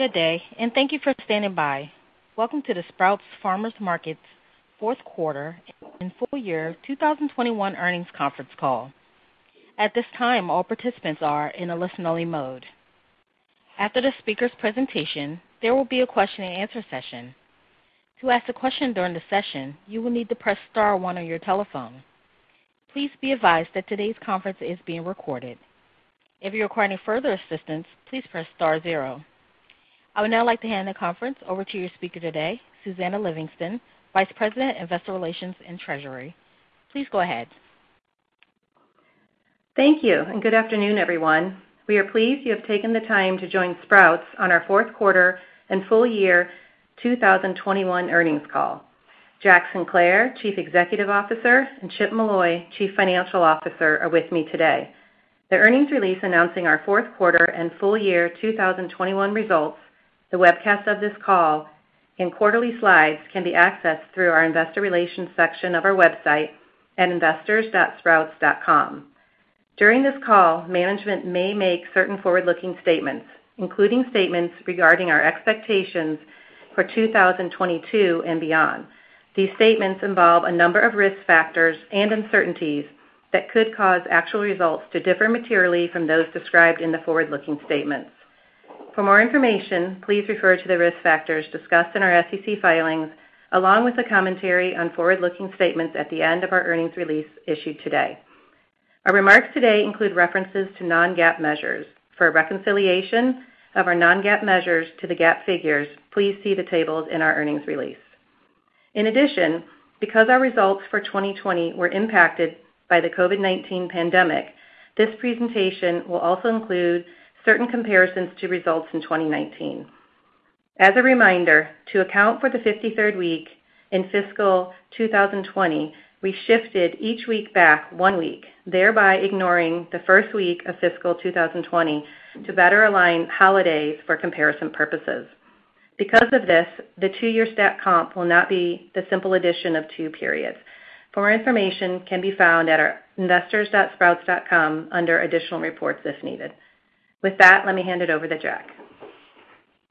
Good day, and thank you for standing by. Welcome to the Sprouts Farmers Market's fourth quarter and full year 2021 earnings conference call. At this time, all participants are in a listen-only mode. After the speaker's presentation, there will be a question-and-answer session. To ask a question during the session, you will need to press star one on your telephone. Please be advised that today's conference is being recorded. If you require any further assistance, please press star zero. I would now like to hand the conference over to your speaker today, Susannah Livingston, Vice President of Investor Relations and Treasury. Please go ahead. Thank you, and good afternoon, everyone. We are pleased you have taken the time to join Sprouts on our fourth quarter and full year 2021 earnings call. Jack Sinclair, Chief Executive Officer, and Chip Molloy, Chief Financial Officer, are with me today. The earnings release announcing our fourth quarter and full year 2021 results, the webcast of this call, and quarterly slides can be accessed through our investor relations section of our website at investors.sprouts.com. During this call, management may make certain forward-looking statements, including statements regarding our expectations for 2022 and beyond. These statements involve a number of risk factors and uncertainties that could cause actual results to differ materially from those described in the forward-looking statements. For more information, please refer to the risk factors discussed in our SEC filings, along with the commentary on forward-looking statements at the end of our earnings release issued today. Our remarks today include references to non-GAAP measures. For a reconciliation of our non-GAAP measures to the GAAP figures, please see the tables in our earnings release. In addition, because our results for 2020 were impacted by the COVID-19 pandemic, this presentation will also include certain comparisons to results in 2019. As a reminder, to account for the 53rd week in fiscal 2020, we shifted each week back one week, thereby ignoring the first week of fiscal 2020 to better align holidays for comparison purposes. Because of this, the two-year stat comp will not be the simple addition of two periods. More information can be found at our investors.sprouts.com under Additional Reports if needed. With that, let me hand it over to Jack.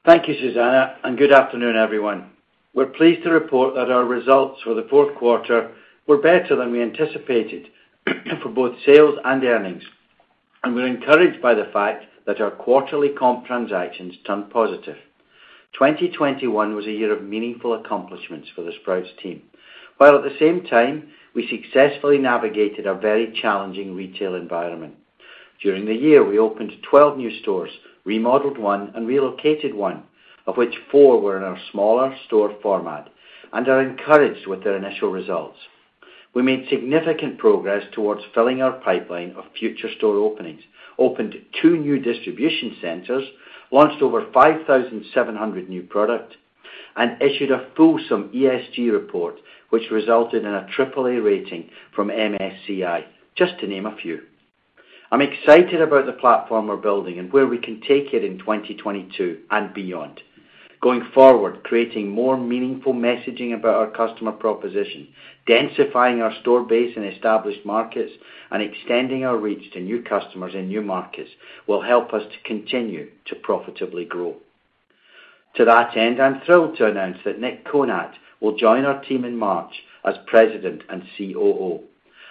Thank you, Susannah, and good afternoon, everyone. We're pleased to report that our results for the fourth quarter were better than we anticipated for both sales and earnings, and we're encouraged by the fact that our quarterly comp transactions turned positive. 2021 was a year of meaningful accomplishments for the Sprouts team, while at the same time, we successfully navigated a very challenging retail environment. During the year, we opened 12 new stores, remodeled one, and relocated one, of which four were in our smaller store format and are encouraged with their initial results. We made significant progress towards filling our pipeline of future store openings, opened two new distribution centers, launched over 5,700 new products, and issued a fulsome ESG report, which resulted in a triple-A rating from MSCI, just to name a few. I'm excited about the platform we're building and where we can take it in 2022 and beyond. Going forward, creating more meaningful messaging about our customer proposition, densifying our store base in established markets, and extending our reach to new customers in new markets will help us to continue to profitably grow. To that end, I'm thrilled to announce that Nick Konat will join our team in March as President and COO.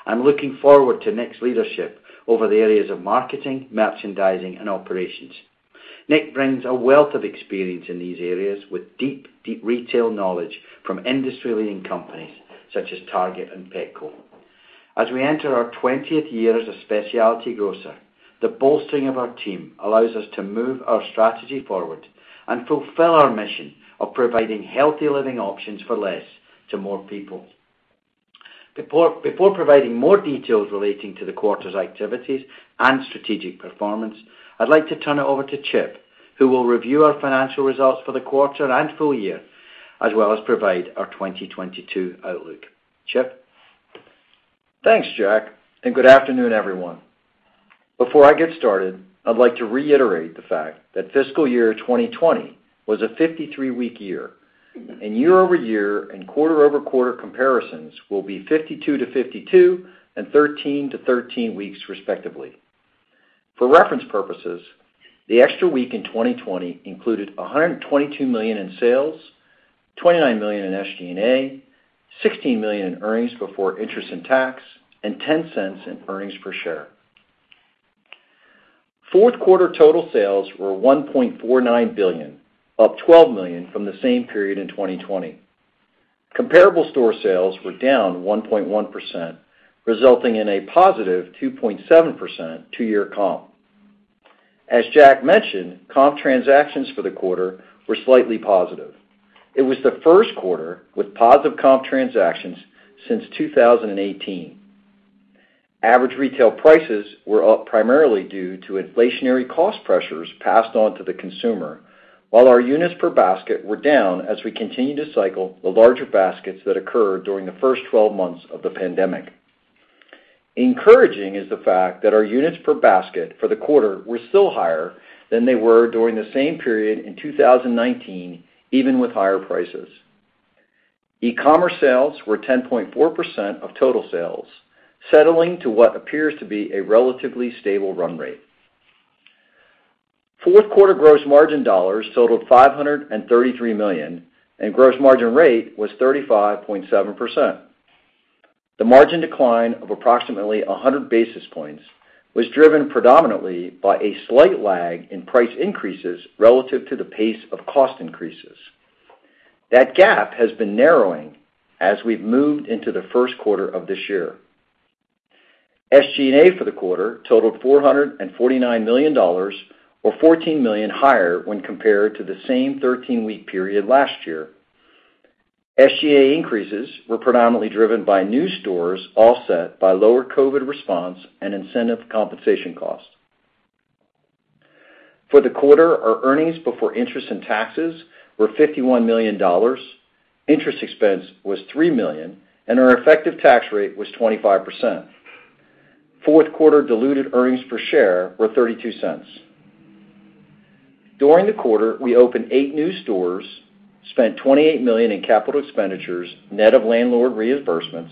I'm looking forward to Nick's leadership over the areas of marketing, merchandising, and operations. Nick brings a wealth of experience in these areas with deep retail knowledge from industry-leading companies such as Target and Petco. As we enter our twentieth year as a specialty grocer, the bolstering of our team allows us to move our strategy forward and fulfill our mission of providing healthy living options for less to more people. Before providing more details relating to the quarter's activities and strategic performance, I'd like to turn it over to Chip, who will review our financial results for the quarter and full year, as well as provide our 2022 outlook. Chip? Thanks, Jack, and good afternoon, everyone. Before I get started, I'd like to reiterate the fact that fiscal year 2020 was a 53-week year, and year-over-year and quarter-over-quarter comparisons will be 52 to 52 and 13 to 13 weeks, respectively. For reference purposes, the extra week in 2020 included $122 million in sales, $29 million in SG&A, $16 million in earnings before interest and tax, and $0.10 in earnings per share. Fourth quarter total sales were $1.49 billion, up $12 million from the same period in 2020. Comparable store sales were down 1.1%, resulting in a positive 2.7% two-year comp. As Jack mentioned, comp transactions for the quarter were slightly positive. It was the first quarter with positive comp transactions since 2018. Average retail prices were up primarily due to inflationary cost pressures passed on to the consumer, while our units per basket were down as we continued to cycle the larger baskets that occurred during the first 12 months of the pandemic. Encouraging is the fact that our units per basket for the quarter were still higher than they were during the same period in 2019, even with higher prices. e-commerce sales were 10.4% of total sales, settling to what appears to be a relatively stable run rate. Fourth quarter gross margin dollars totaled $533 million, and gross margin rate was 35.7%. The margin decline of approximately 100 basis points was driven predominantly by a slight lag in price increases relative to the pace of cost increases. That gap has been narrowing as we've moved into the first quarter of this year. SG&A for the quarter totaled $449 million or $14 million higher when compared to the same 13-week period last year. SG&A increases were predominantly driven by new stores offset by lower COVID response and incentive compensation costs. For the quarter, our earnings before interest and taxes were $51 million, interest expense was $3 million, and our effective tax rate was 25%. Fourth quarter diluted earnings per share were $0.32. During the quarter, we opened eight new stores, spent $28 million in capital expenditures net of landlord reimbursements,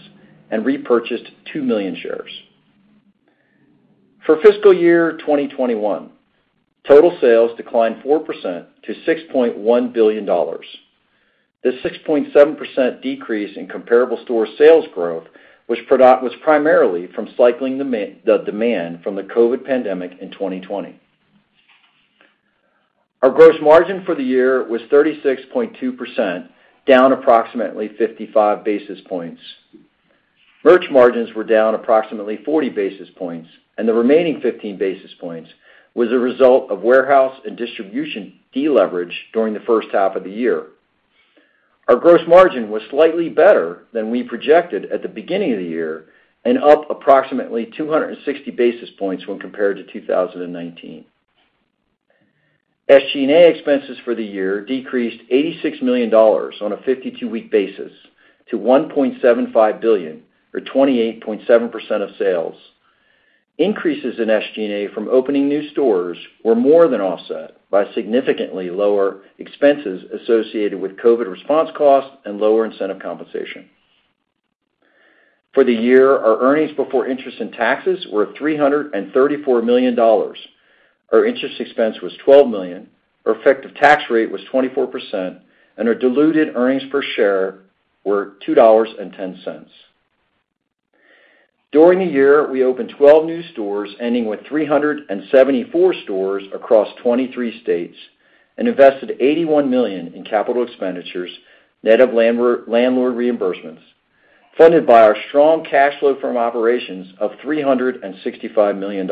and repurchased 2 million shares. For fiscal year 2021, total sales declined 4% to $6.1 billion. The 6.7% decrease in comparable store sales growth was primarily from cycling the demand from the COVID pandemic in 2020. Our gross margin for the year was 36.2%, down approximately 55 basis points. Merch margins were down approximately 40 basis points, and the remaining 15 basis points was a result of warehouse and distribution deleverage during the first half of the year. Our gross margin was slightly better than we projected at the beginning of the year and up approximately 260 basis points when compared to 2019. SG&A expenses for the year decreased $86 million on a 52-week basis to $1.75 billion or 28.7% of sales. Increases in SG&A from opening new stores were more than offset by significantly lower expenses associated with COVID response costs and lower incentive compensation. For the year, our earnings before interest and taxes were $334 million. Our interest expense was $12 million. Our effective tax rate was 24%, and our diluted earnings per share were $2.10. During the year, we opened 12 new stores, ending with 374 stores across 23 states and invested $81 million in capital expenditures net of landlord reimbursements, funded by our strong cash flow from operations of $365 million.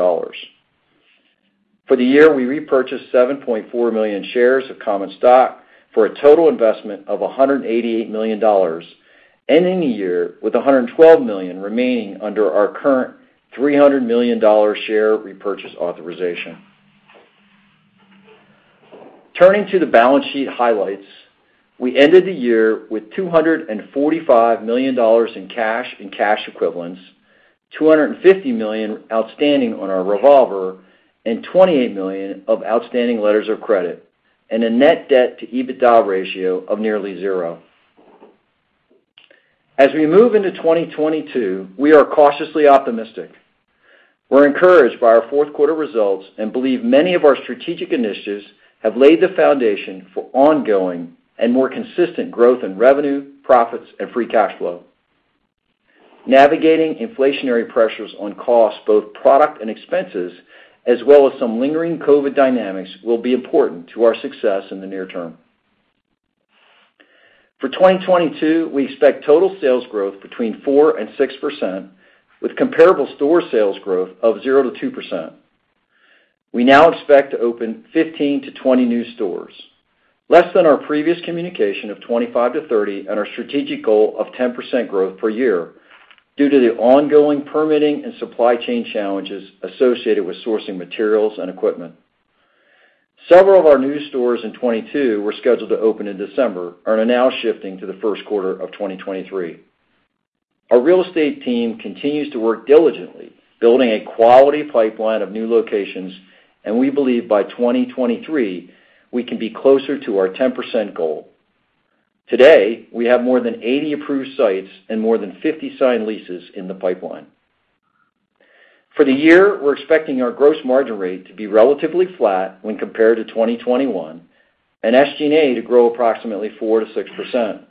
For the year, we repurchased 7.4 million shares of common stock for a total investment of $188 million, ending the year with $112 million remaining under our current $300 million share repurchase authorization. Turning to the balance sheet highlights. We ended the year with $245 million in cash and cash equivalents, $250 million outstanding on our revolver and $28 million of outstanding letters of credit and a net debt to EBITDA ratio of nearly zero. As we move into 2022, we are cautiously optimistic. We're encouraged by our fourth quarter results and believe many of our strategic initiatives have laid the foundation for ongoing and more consistent growth in revenue, profits and free cash flow. Navigating inflationary pressures on costs, both product and expenses, as well as some lingering COVID dynamics will be important to our success in the near term. For 2022, we expect total sales growth between 4%-6% with comparable store sales growth of 0%-2%. We now expect to open 15-20 new stores, less than our previous communication of 25-30, and our strategic goal of 10% growth per year due to the ongoing permitting and supply chain challenges associated with sourcing materials and equipment. Several of our new stores in 2022 were scheduled to open in December and are now shifting to the first quarter of 2023. Our real estate team continues to work diligently building a quality pipeline of new locations, and we believe by 2023 we can be closer to our 10% goal. Today, we have more than 80 approved sites and more than 50 signed leases in the pipeline. For the year, we're expecting our gross margin rate to be relatively flat when compared to 2021 and SG&A to grow approximately 4%-6%.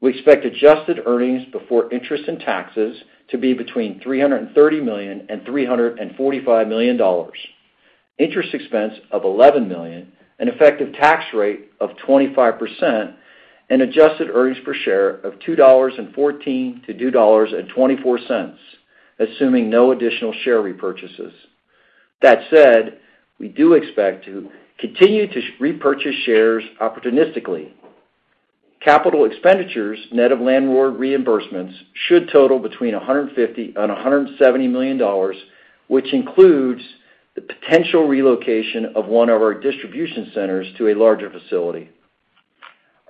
We expect adjusted earnings before interest and taxes to be between $330 million and $345 million. Interest expense of $11 million, an effective tax rate of 25%, and adjusted earnings per share of $2.14-$2.24, assuming no additional share repurchases. That said, we do expect to continue to repurchase shares opportunistically. Capital expenditures net of landlord reimbursements should total between $150 million and $170 million, which includes the potential relocation of one of our distribution centers to a larger facility.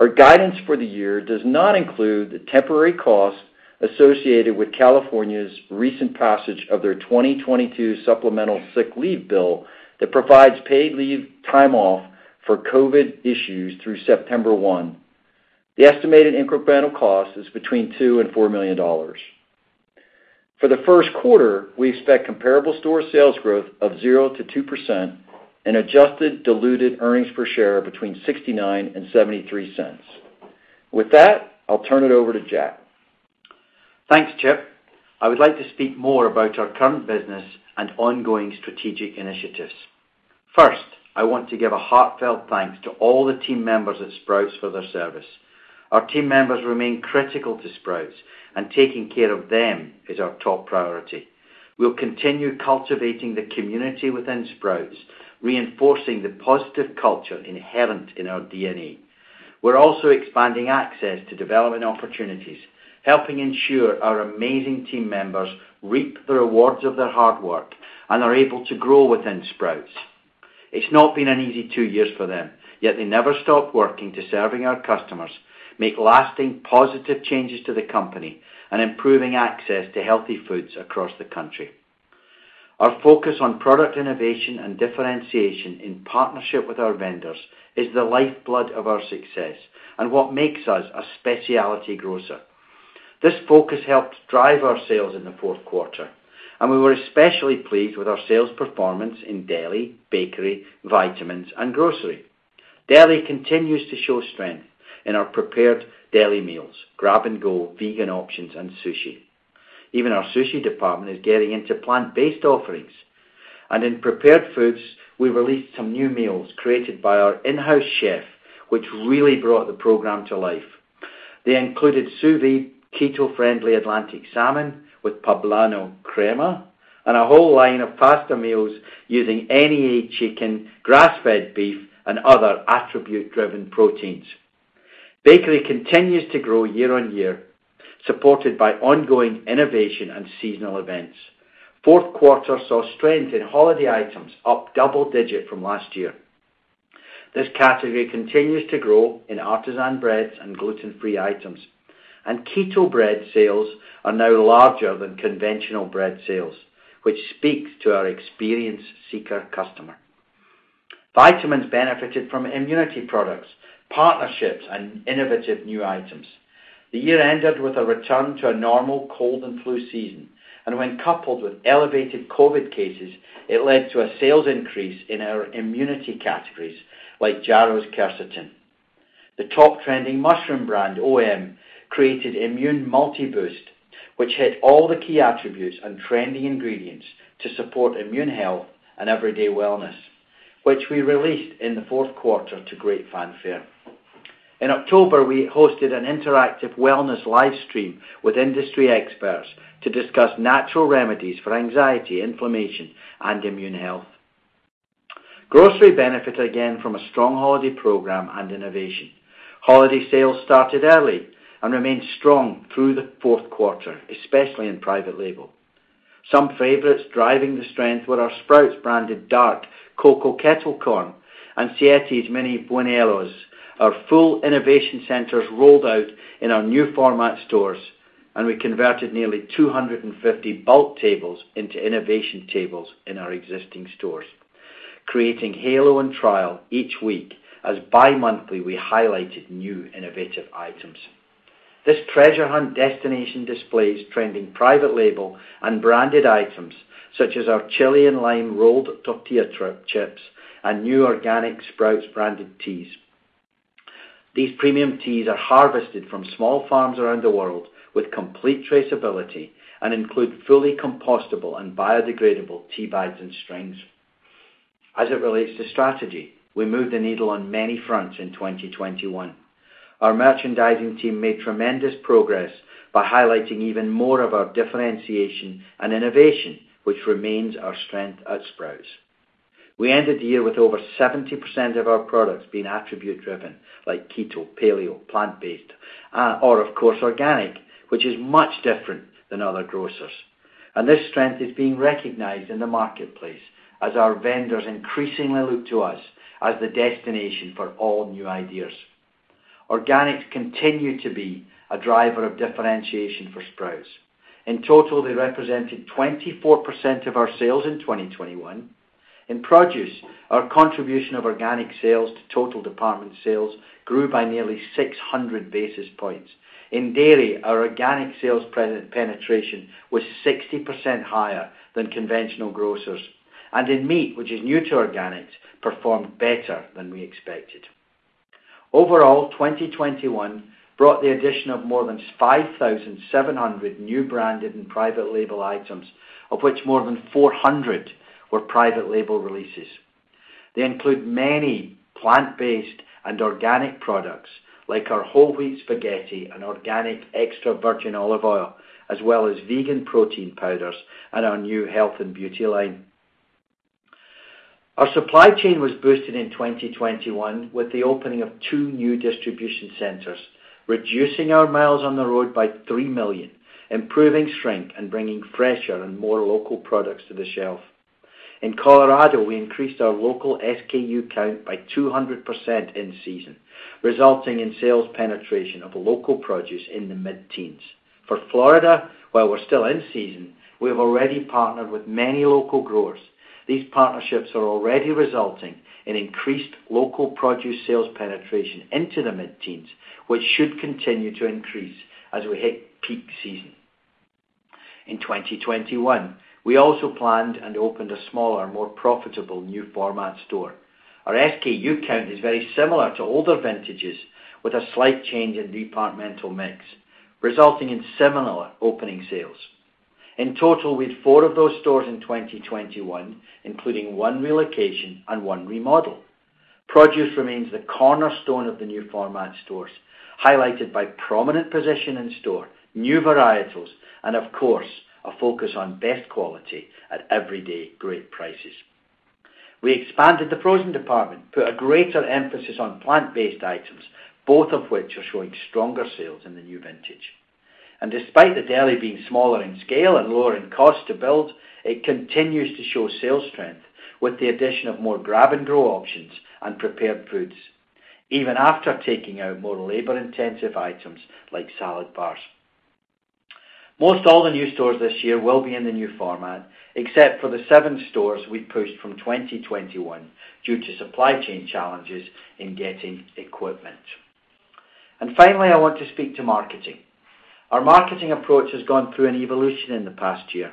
Our guidance for the year does not include the temporary costs associated with California's recent passage of their 2022 supplemental sick leave bill that provides paid leave time off for COVID issues through September 1. The estimated incremental cost is between $2 million and $4 million. For the first quarter, we expect comparable store sales growth of 0%-2% and adjusted diluted earnings per share between $0.69 and $0.73. With that, I'll turn it over to Jack. Thanks, Chip. I would like to speak more about our current business and ongoing strategic initiatives. First, I want to give a heartfelt thanks to all the team members at Sprouts for their service. Our team members remain critical to Sprouts, and taking care of them is our top priority. We'll continue cultivating the community within Sprouts, reinforcing the positive culture inherent in our DNA. We're also expanding access to development opportunities, helping ensure our amazing team members reap the rewards of their hard work and are able to grow within Sprouts. It's not been an easy two years for them, yet they never stopped working to serve our customers, make lasting, positive changes to the company, and improve access to healthy foods across the country. Our focus on product innovation and differentiation in partnership with our vendors is the lifeblood of our success and what makes us a specialty grocer. This focus helped drive our sales in the fourth quarter, and we were especially pleased with our sales performance in deli, bakery, vitamins, and grocery. Deli continues to show strength in our prepared deli meals, grab-and-go vegan options, and sushi. Even our sushi department is getting into plant-based offerings. In prepared foods, we released some new meals created by our in-house chef, which really brought the program to life. They included sous vide keto-friendly Atlantic salmon with poblano crema and a whole line of pasta meals using ABF chicken, grass-fed beef, and other attribute-driven proteins. Bakery continues to grow year-over-year, supported by ongoing innovation and seasonal events. Fourth quarter saw strength in holiday items, up double-digit from last year. This category continues to grow in artisan breads and gluten-free items. Keto bread sales are now larger than conventional bread sales, which speaks to our experience-seeker customer. Vitamins benefited from immunity products, partnerships, and innovative new items. The year ended with a return to a normal cold and flu season, and when coupled with elevated COVID cases, it led to a sales increase in our immunity categories like Jarrow Formulas Quercetin. The top trending mushroom brand, Om, created Immune Multi Boost, which hit all the key attributes and trendy ingredients to support immune health and everyday wellness, which we released in the fourth quarter to great fanfare. In October, we hosted an interactive wellness live stream with industry experts to discuss natural remedies for anxiety, inflammation, and immune health. Grocery benefited again from a strong holiday program and innovation. Holiday sales started early and remained strong through the fourth quarter, especially in private label. Some favorites driving the strength were our Sprouts-branded Dark Cocoa Kettle Corn and Siete's Mini Buñuelos. Our full innovation centers rolled out in our new format stores, and we converted nearly 250 bulk tables into innovation tables in our existing stores, creating halo and trial each week as bimonthly we highlighted new innovative items. This treasure hunt destination displays trending private label and branded items such as our chili and lime rolled tortilla chips and new organic Sprouts-branded teas. These premium teas are harvested from small farms around the world with complete traceability and include fully compostable and biodegradable tea bags and strings. As it relates to strategy, we moved the needle on many fronts in 2021. Our merchandising team made tremendous progress by highlighting even more of our differentiation and innovation, which remains our strength at Sprouts. We ended the year with over 70% of our products being attribute driven, like keto, paleo, plant-based, or of course organic, which is much different than other grocers. This strength is being recognized in the marketplace as our vendors increasingly look to us as the destination for all new ideas. Organics continue to be a driver of differentiation for Sprouts. In total, they represented 24% of our sales in 2021. In produce, our contribution of organic sales to total department sales grew by nearly 600 basis points. In dairy, our organic sales penetration was 60% higher than conventional grocers. In meat, which is new to organics, performed better than we expected. Overall, 2021 brought the addition of more than 5,700 new branded and private label items, of which more than 400 were private label releases. They include many plant-based and organic products, like our whole wheat spaghetti and organic extra virgin olive oil, as well as vegan protein powders and our new health and beauty line. Our supply chain was boosted in 2021 with the opening of two new distribution centers, reducing our miles on the road by 3 million, improving strength, and bringing fresher and more local products to the shelf. In Colorado, we increased our local SKU count by 200% in season, resulting in sales penetration of local produce in the mid-teens. For Florida, while we're still in season, we have already partnered with many local growers. These partnerships are already resulting in increased local produce sales penetration into the mid-teens, which should continue to increase as we hit peak season. In 2021, we also planned and opened a smaller, more profitable new format store. Our SKU count is very similar to older vintages with a slight change in departmental mix, resulting in similar opening sales. In total, we had four of those stores in 2021, including one relocation and one remodel. Produce remains the cornerstone of the new format stores, highlighted by prominent position in store, new varietals, and of course, a focus on best quality at everyday great prices. We expanded the frozen department, put a greater emphasis on plant-based items, both of which are showing stronger sales in the new vintage. Despite the deli being smaller in scale and lower in cost to build, it continues to show sales strength with the addition of more grab-and-go options and prepared foods, even after taking out more labor-intensive items like salad bars. Most all the new stores this year will be in the new format, except for the seven stores we pushed from 2021 due to supply chain challenges in getting equipment. Finally, I want to speak to marketing. Our marketing approach has gone through an evolution in the past year.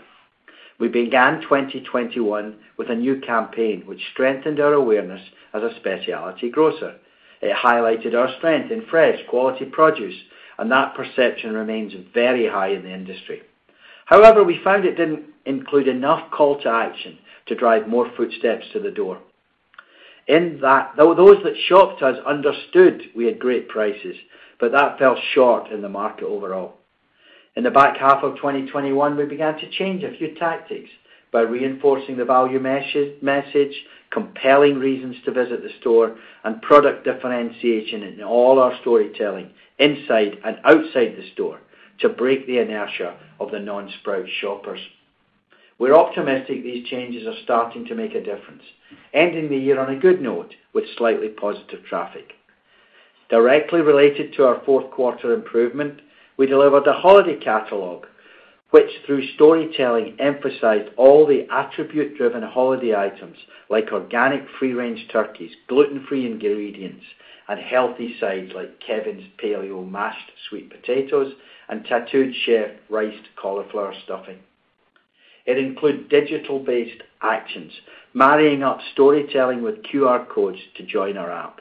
We began 2021 with a new campaign which strengthened our awareness as a specialty grocer. It highlighted our strength in fresh, quality produce, and that perception remains very high in the industry. However, we found it didn't include enough call to action to drive more footsteps to the door. In that, those that shopped us understood we had great prices, but that fell short in the market overall. In the back half of 2021, we began to change a few tactics by reinforcing the value message, compelling reasons to visit the store, and product differentiation in all our storytelling inside and outside the store to break the inertia of the non-Sprouts shoppers. We're optimistic these changes are starting to make a difference, ending the year on a good note with slightly positive traffic. Directly related to our fourth quarter improvement, we delivered a holiday catalog, which through storytelling, emphasized all the attribute-driven holiday items like organic free-range turkeys, gluten-free ingredients, and healthy sides like Kevin's Paleo Mashed Sweet Potatoes and Tattooed Chef Riced Cauliflower Stuffing. It includes digital-based actions, marrying up storytelling with QR codes to join our app,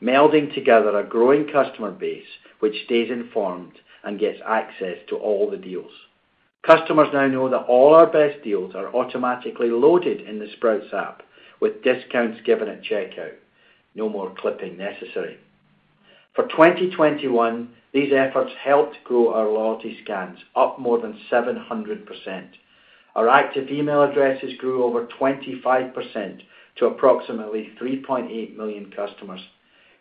melding together a growing customer base which stays informed and gets access to all the deals. Customers now know that all our best deals are automatically loaded in the Sprouts app with discounts given at checkout. No more clipping necessary. For 2021, these efforts helped grow our loyalty scans up more than 700%. Our active email addresses grew over 25% to approximately 3.8 million customers,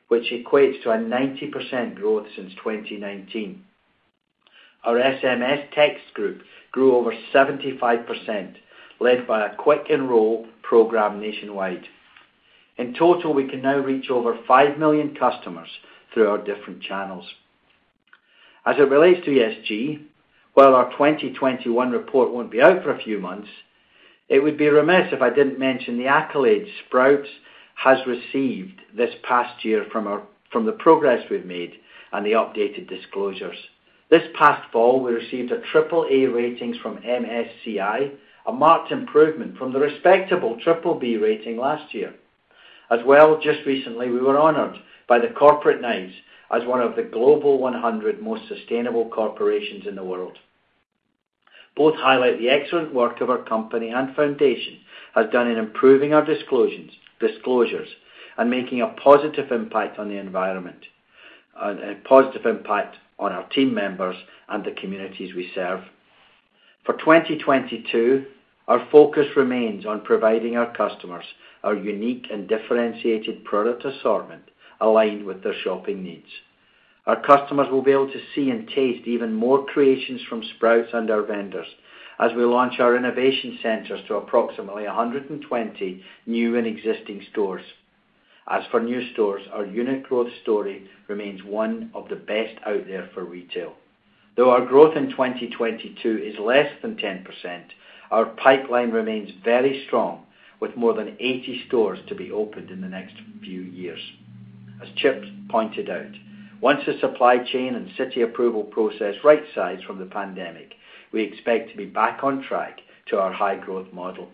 which equates to a 90% growth since 2019. Our SMS text group grew over 75%, led by a quick enroll program nationwide. In total, we can now reach over 5 million customers through our different channels. As it relates to ESG, while our 2021 report won't be out for a few months, it would be remiss if I didn't mention the accolades Sprouts has received this past year from the progress we've made and the updated disclosures. This past fall, we received a AAA rating from MSCI, a marked improvement from the respectable BBB rating last year. As well, just recently, we were honored by the Corporate Knights as one of the Global 100 most sustainable corporations in the world. Both highlight the excellent work of our company and foundation has done in improving our disclosures and making a positive impact on the environment, a positive impact on our team members and the communities we serve. For 2022, our focus remains on providing our customers our unique and differentiated product assortment aligned with their shopping needs. Our customers will be able to see and taste even more creations from Sprouts and our vendors as we launch our innovation centers to approximately 120 new and existing stores. As for new stores, our unit growth story remains one of the best out there for retail. Though our growth in 2022 is less than 10%, our pipeline remains very strong with more than 80 stores to be opened in the next few years. As Chip pointed out, once the supply chain and city approval process right-sized from the pandemic, we expect to be back on track to our high-growth model.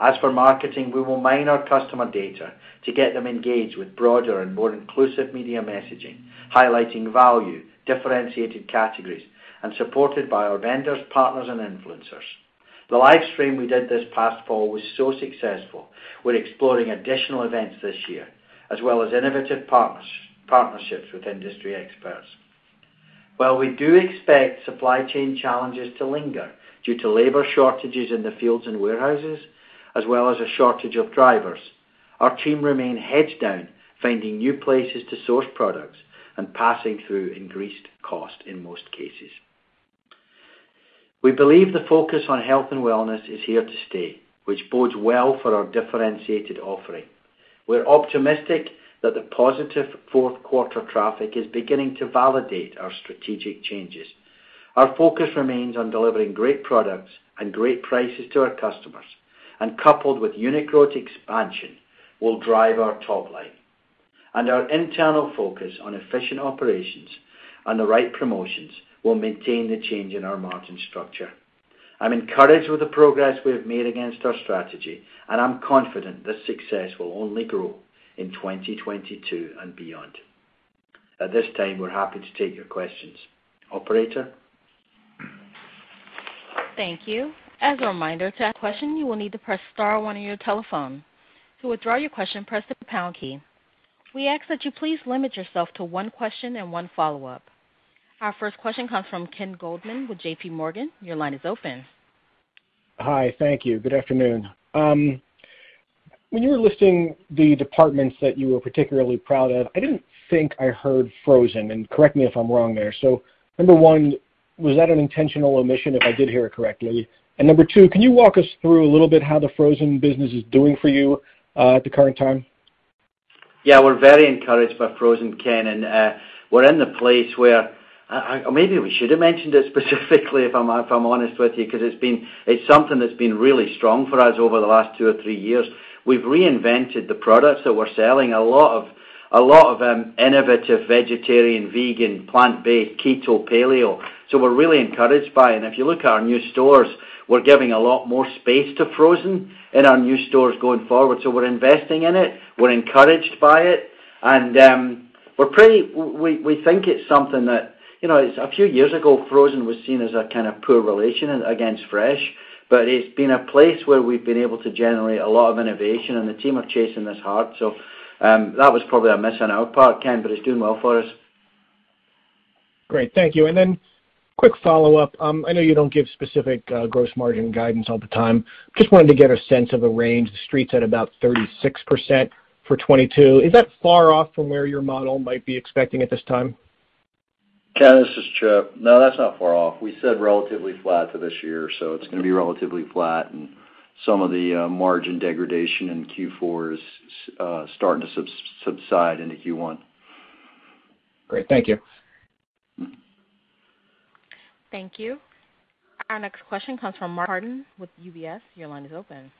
As for marketing, we will mine our customer data to get them engaged with broader and more inclusive media messaging, highlighting value, differentiated categories, and supported by our vendors, partners, and influencers. The live stream we did this past fall was so successful, we're exploring additional events this year, as well as innovative partners, partnerships with industry experts. While we do expect supply chain challenges to linger due to labor shortages in the fields and warehouses, as well as a shortage of drivers, our team remain heads down, finding new places to source products and passing through increased cost in most cases. We believe the focus on health and wellness is here to stay, which bodes well for our differentiated offering. We're optimistic that the positive fourth quarter traffic is beginning to validate our strategic changes. Our focus remains on delivering great products and great prices to our customers, and coupled with unique store expansion, will drive our top line. Our internal focus on efficient operations and the right promotions will maintain the change in our margin structure. I'm encouraged with the progress we have made against our strategy, and I'm confident this success will only grow in 2022 and beyond. At this time, we're happy to take your questions. Operator? Thank you. As a reminder, to ask a question, you will need to press star one on your telephone. To withdraw your question, press the pound key. We ask that you please limit yourself to one question and one follow-up. Our first question comes from Ken Goldman with JPMorgan. Your line is open. Hi. Thank you. Good afternoon. When you were listing the departments that you were particularly proud of, I didn't think I heard frozen, and correct me if I'm wrong there. Number one, was that an intentional omission if I did hear it correctly? Number two, can you walk us through a little bit how the frozen business is doing for you at the current time? Yeah, we're very encouraged by frozen, Ken, and we're in the place where maybe we should have mentioned it specifically if I'm honest with you, 'cause it's something that's been really strong for us over the last two or three years. We've reinvented the products that we're selling, a lot of innovative vegetarian, vegan, plant-based, keto, paleo. So we're really encouraged by it. If you look at our new stores, we're giving a lot more space to frozen in our new stores going forward. We're investing in it, we're encouraged by it, and we think it's something that, you know, a few years ago, frozen was seen as a kind of poor relation against fresh, but it's been a place where we've been able to generate a lot of innovation, and the team are chasing this hard. That was probably a miss on our part, Ken, but it's doing well for us. Great. Thank you. Quick follow-up. I know you don't give specific gross margin guidance all the time. Just wanted to get a sense of the range. The Street's at about 36% for 2022. Is that far off from where your model might be expecting at this time? Ken, this is Chip. No, that's not far off. We said relatively flat for this year, so it's gonna be relatively flat. Some of the margin degradation in Q4 is starting to subside into Q1. Great. Thank you. Thank you. Our next question comes from Mark Carden with UBS. Your line is open.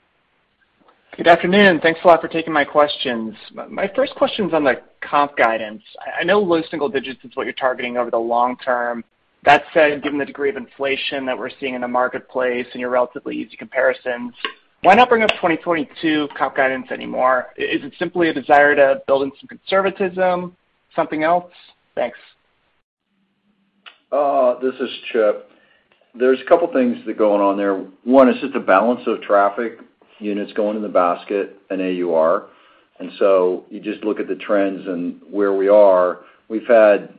Good afternoon. Thanks a lot for taking my questions. My first question is on the comp guidance. I know low single digits is what you're targeting over the long term. That said, given the degree of inflation that we're seeing in the marketplace and your relatively easy comparisons, why not bring up 2022 comp guidance anymore? Is it simply a desire to build in some conservatism? Something else? Thanks. This is Chip. There's a couple things that are going on there. One is just the balance of traffic, units going in the basket and AUR. You just look at the trends and where we are. We've had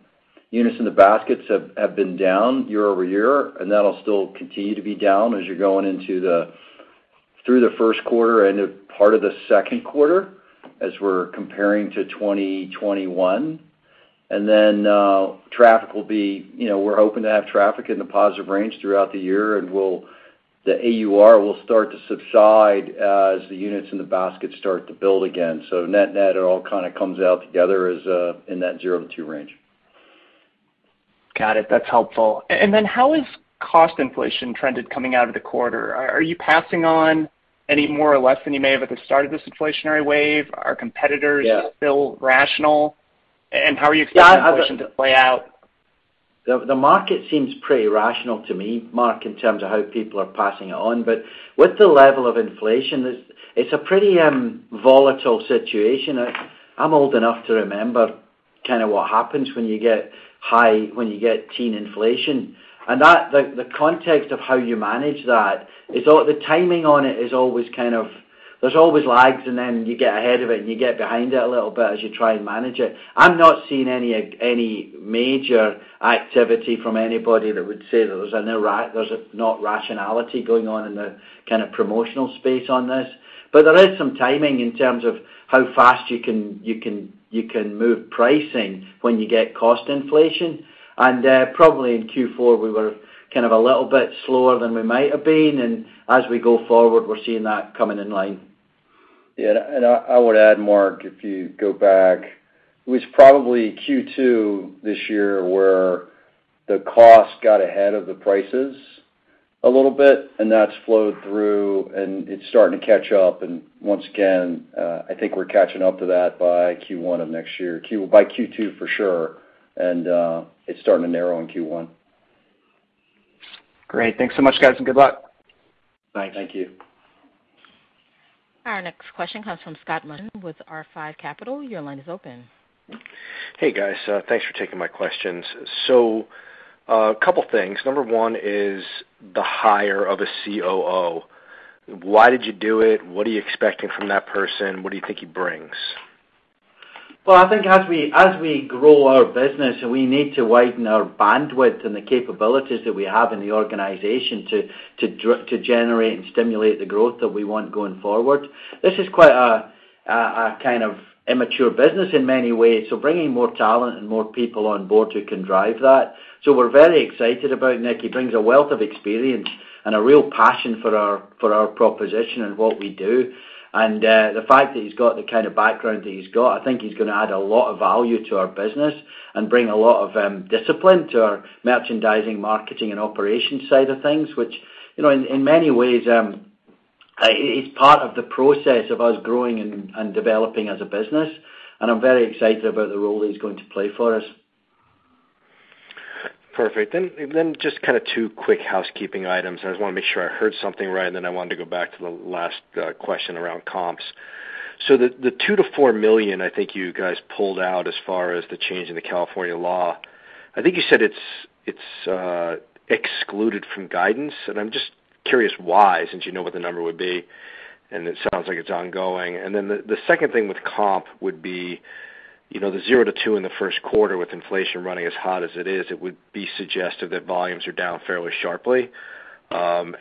units in the baskets have been down year-over-year, and that'll still continue to be down as you're going through the first quarter and a part of the second quarter as we're comparing to 2021. Traffic will be, you know, we're hoping to have traffic in the positive range throughout the year, and the AUR will start to subside as the units in the basket start to build again. Net net, it all kinda comes out together in that 0%-2% range. Got it. That's helpful. How has cost inflation trended coming out of the quarter? Are you passing on any more or less than you may have at the start of this inflationary wave? Are competitors-. Yeah. Is it still rational? How are you expecting inflation to play out? The market seems pretty rational to me, Mark, in terms of how people are passing it on. With the level of inflation, it's a pretty volatile situation. I'm old enough to remember kinda what happens when you get high teen inflation. The context of how you manage that or the timing on it is always kind of. There's always lags, and then you get ahead of it, and you get behind it a little bit as you try and manage it. I'm not seeing any major activity from anybody that would say that there's not rationality going on in the kind of promotional space on this. There is some timing in terms of how fast you can move pricing when you get cost inflation. Probably in Q4, we were kind of a little bit slower than we might have been, and as we go forward, we're seeing that coming in line. I would add, Mark, if you go back, it was probably Q2 this year where the cost got ahead of the prices a little bit, and that's flowed through, and it's starting to catch up. Once again, I think we're catching up to that by Q1 of next year by Q2 for sure. It's starting to narrow in Q1. Great. Thanks so much, guys, and good luck. Thanks. Thank you. Our next question comes from Scott Mushkin with R5 Capital. Your line is open. Hey, guys. Thanks for taking my questions. A couple things. Number one is the hire of a COO. Why did you do it? What are you expecting from that person? What do you think he brings? Well, I think as we grow our business, we need to widen our bandwidth and the capabilities that we have in the organization to generate and stimulate the growth that we want going forward. This is quite a kind of immature business in many ways, so bringing more talent and more people on board who can drive that. We're very excited about Nick. He brings a wealth of experience and a real passion for our proposition and what we do. The fact that he's got the kind of background that he's got, I think he's gonna add a lot of value to our business and bring a lot of discipline to our merchandising, marketing, and operations side of things, which, you know, in many ways, it's part of the process of us growing and developing as a business. I'm very excited about the role he's going to play for us. Perfect. Just kinda two quick housekeeping items. I just wanna make sure I heard something right, and I wanted to go back to the last question around comps. The $2 million-$4 million I think you guys pulled out as far as the change in the California law, I think you said it's excluded from guidance, and I'm just curious why, since you know what the number would be, and it sounds like it's ongoing. The second thing with comp would be, you know, the 0%-2% in the first quarter with inflation running as hot as it is, it would be suggestive that volumes are down fairly sharply. I mean,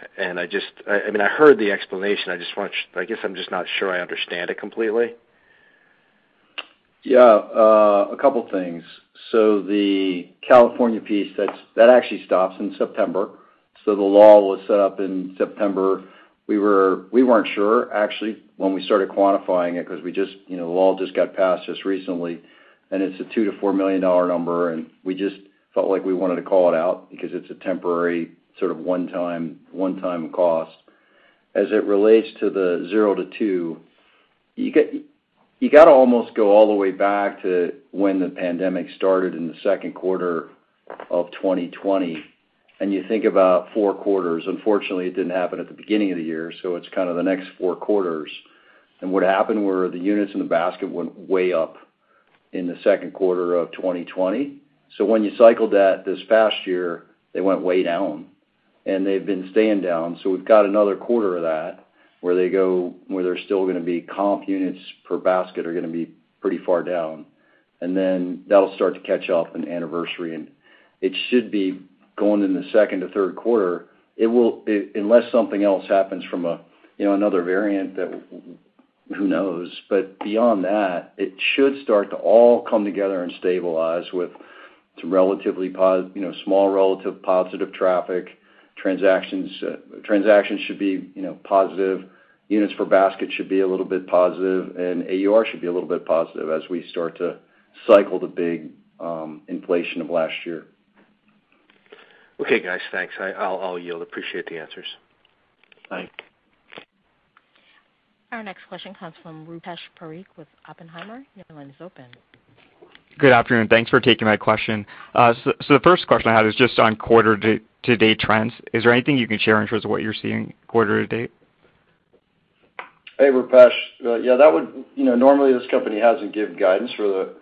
I heard the explanation. I just want. I guess I'm just not sure I understand it completely. Yeah, a couple things. The California piece, that's, that actually stops in September, so the law was set up in September. We weren't sure actually when we started quantifying it 'cause we just, you know, the law just got passed just recently, and it's a $2 million-$4 million number, and we just felt like we wanted to call it out because it's a temporary sort of one-time cost. As it relates to the zero to two, you gotta almost go all the way back to when the pandemic started in the second quarter of 2020, and you think about four quarters. Unfortunately, it didn't happen at the beginning of the year, so it's kind of the next four quarters. What happened were the units in the basket went way up in the second quarter of 2020. When you cycled that this past year, they went way down, and they've been staying down, so we've got another quarter of that where they're still gonna be comp units per basket are gonna be pretty far down. That'll start to catch up in anniversary, and it should be going in the second or third quarter. It will unless something else happens from a, you know, another variant that who knows. Beyond that, it should start to all come together and stabilize with some relatively positive, you know, small relative positive traffic. Transactions should be, you know, positive. Units per basket should be a little bit positive, and AUR should be a little bit positive as we start to cycle the big inflation of last year. Okay, guys. Thanks. I'll yield. Appreciate the answers. Bye. Our next question comes from Rupesh Parikh with Oppenheimer. Your line is open. Good afternoon. Thanks for taking my question. The first question I had is just on quarter to date trends. Is there anything you can share in terms of what you're seeing quarter to date? Hey, Rupesh. You know, normally, this company hasn't given guidance for the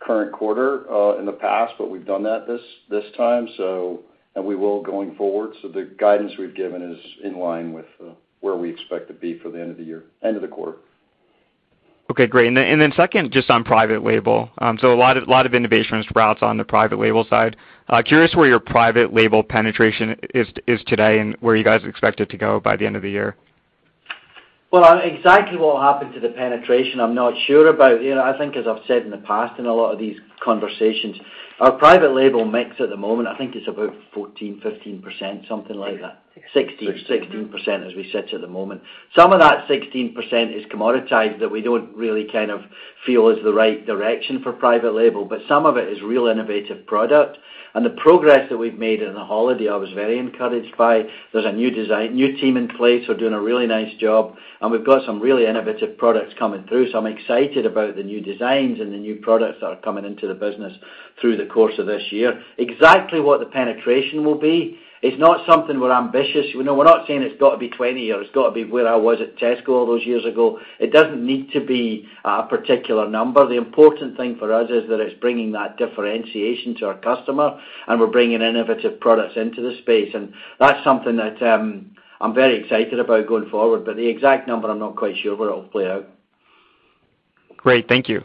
current quarter in the past, but we've done that this time, and we will going forward. The guidance we've given is in line with where we expect to be for the end of the year, end of the quarter. Okay, great. Second, just on private label. A lot of innovation at Sprouts on the private label side. Curious where your private label penetration is today and where you guys expect it to go by the end of the year. Well, exactly what will happen to the penetration, I'm not sure about. You know, I think as I've said in the past in a lot of these conversations, our private label mix at the moment, I think it's about 14, 15%, something like that. 16% as we sit at the moment. Some of that 16% is commoditized that we don't really kind of feel is the right direction for private label, but some of it is real innovative product. The progress that we've made in the holiday, I was very encouraged by. There's a new design, new team in place who are doing a really nice job, and we've got some really innovative products coming through, so I'm excited about the new designs and the new products that are coming into the business through the course of this year. Exactly what the penetration will be is not something we're ambitious. You know, we're not saying it's gotta be 20, or it's gotta be where I was at Tesco all those years ago. It doesn't need to be a particular number. The important thing for us is that it's bringing that differentiation to our customer, and we're bringing innovative products into the space. That's something that, I'm very excited about going forward. The exact number, I'm not quite sure where it'll play out. Great. Thank you.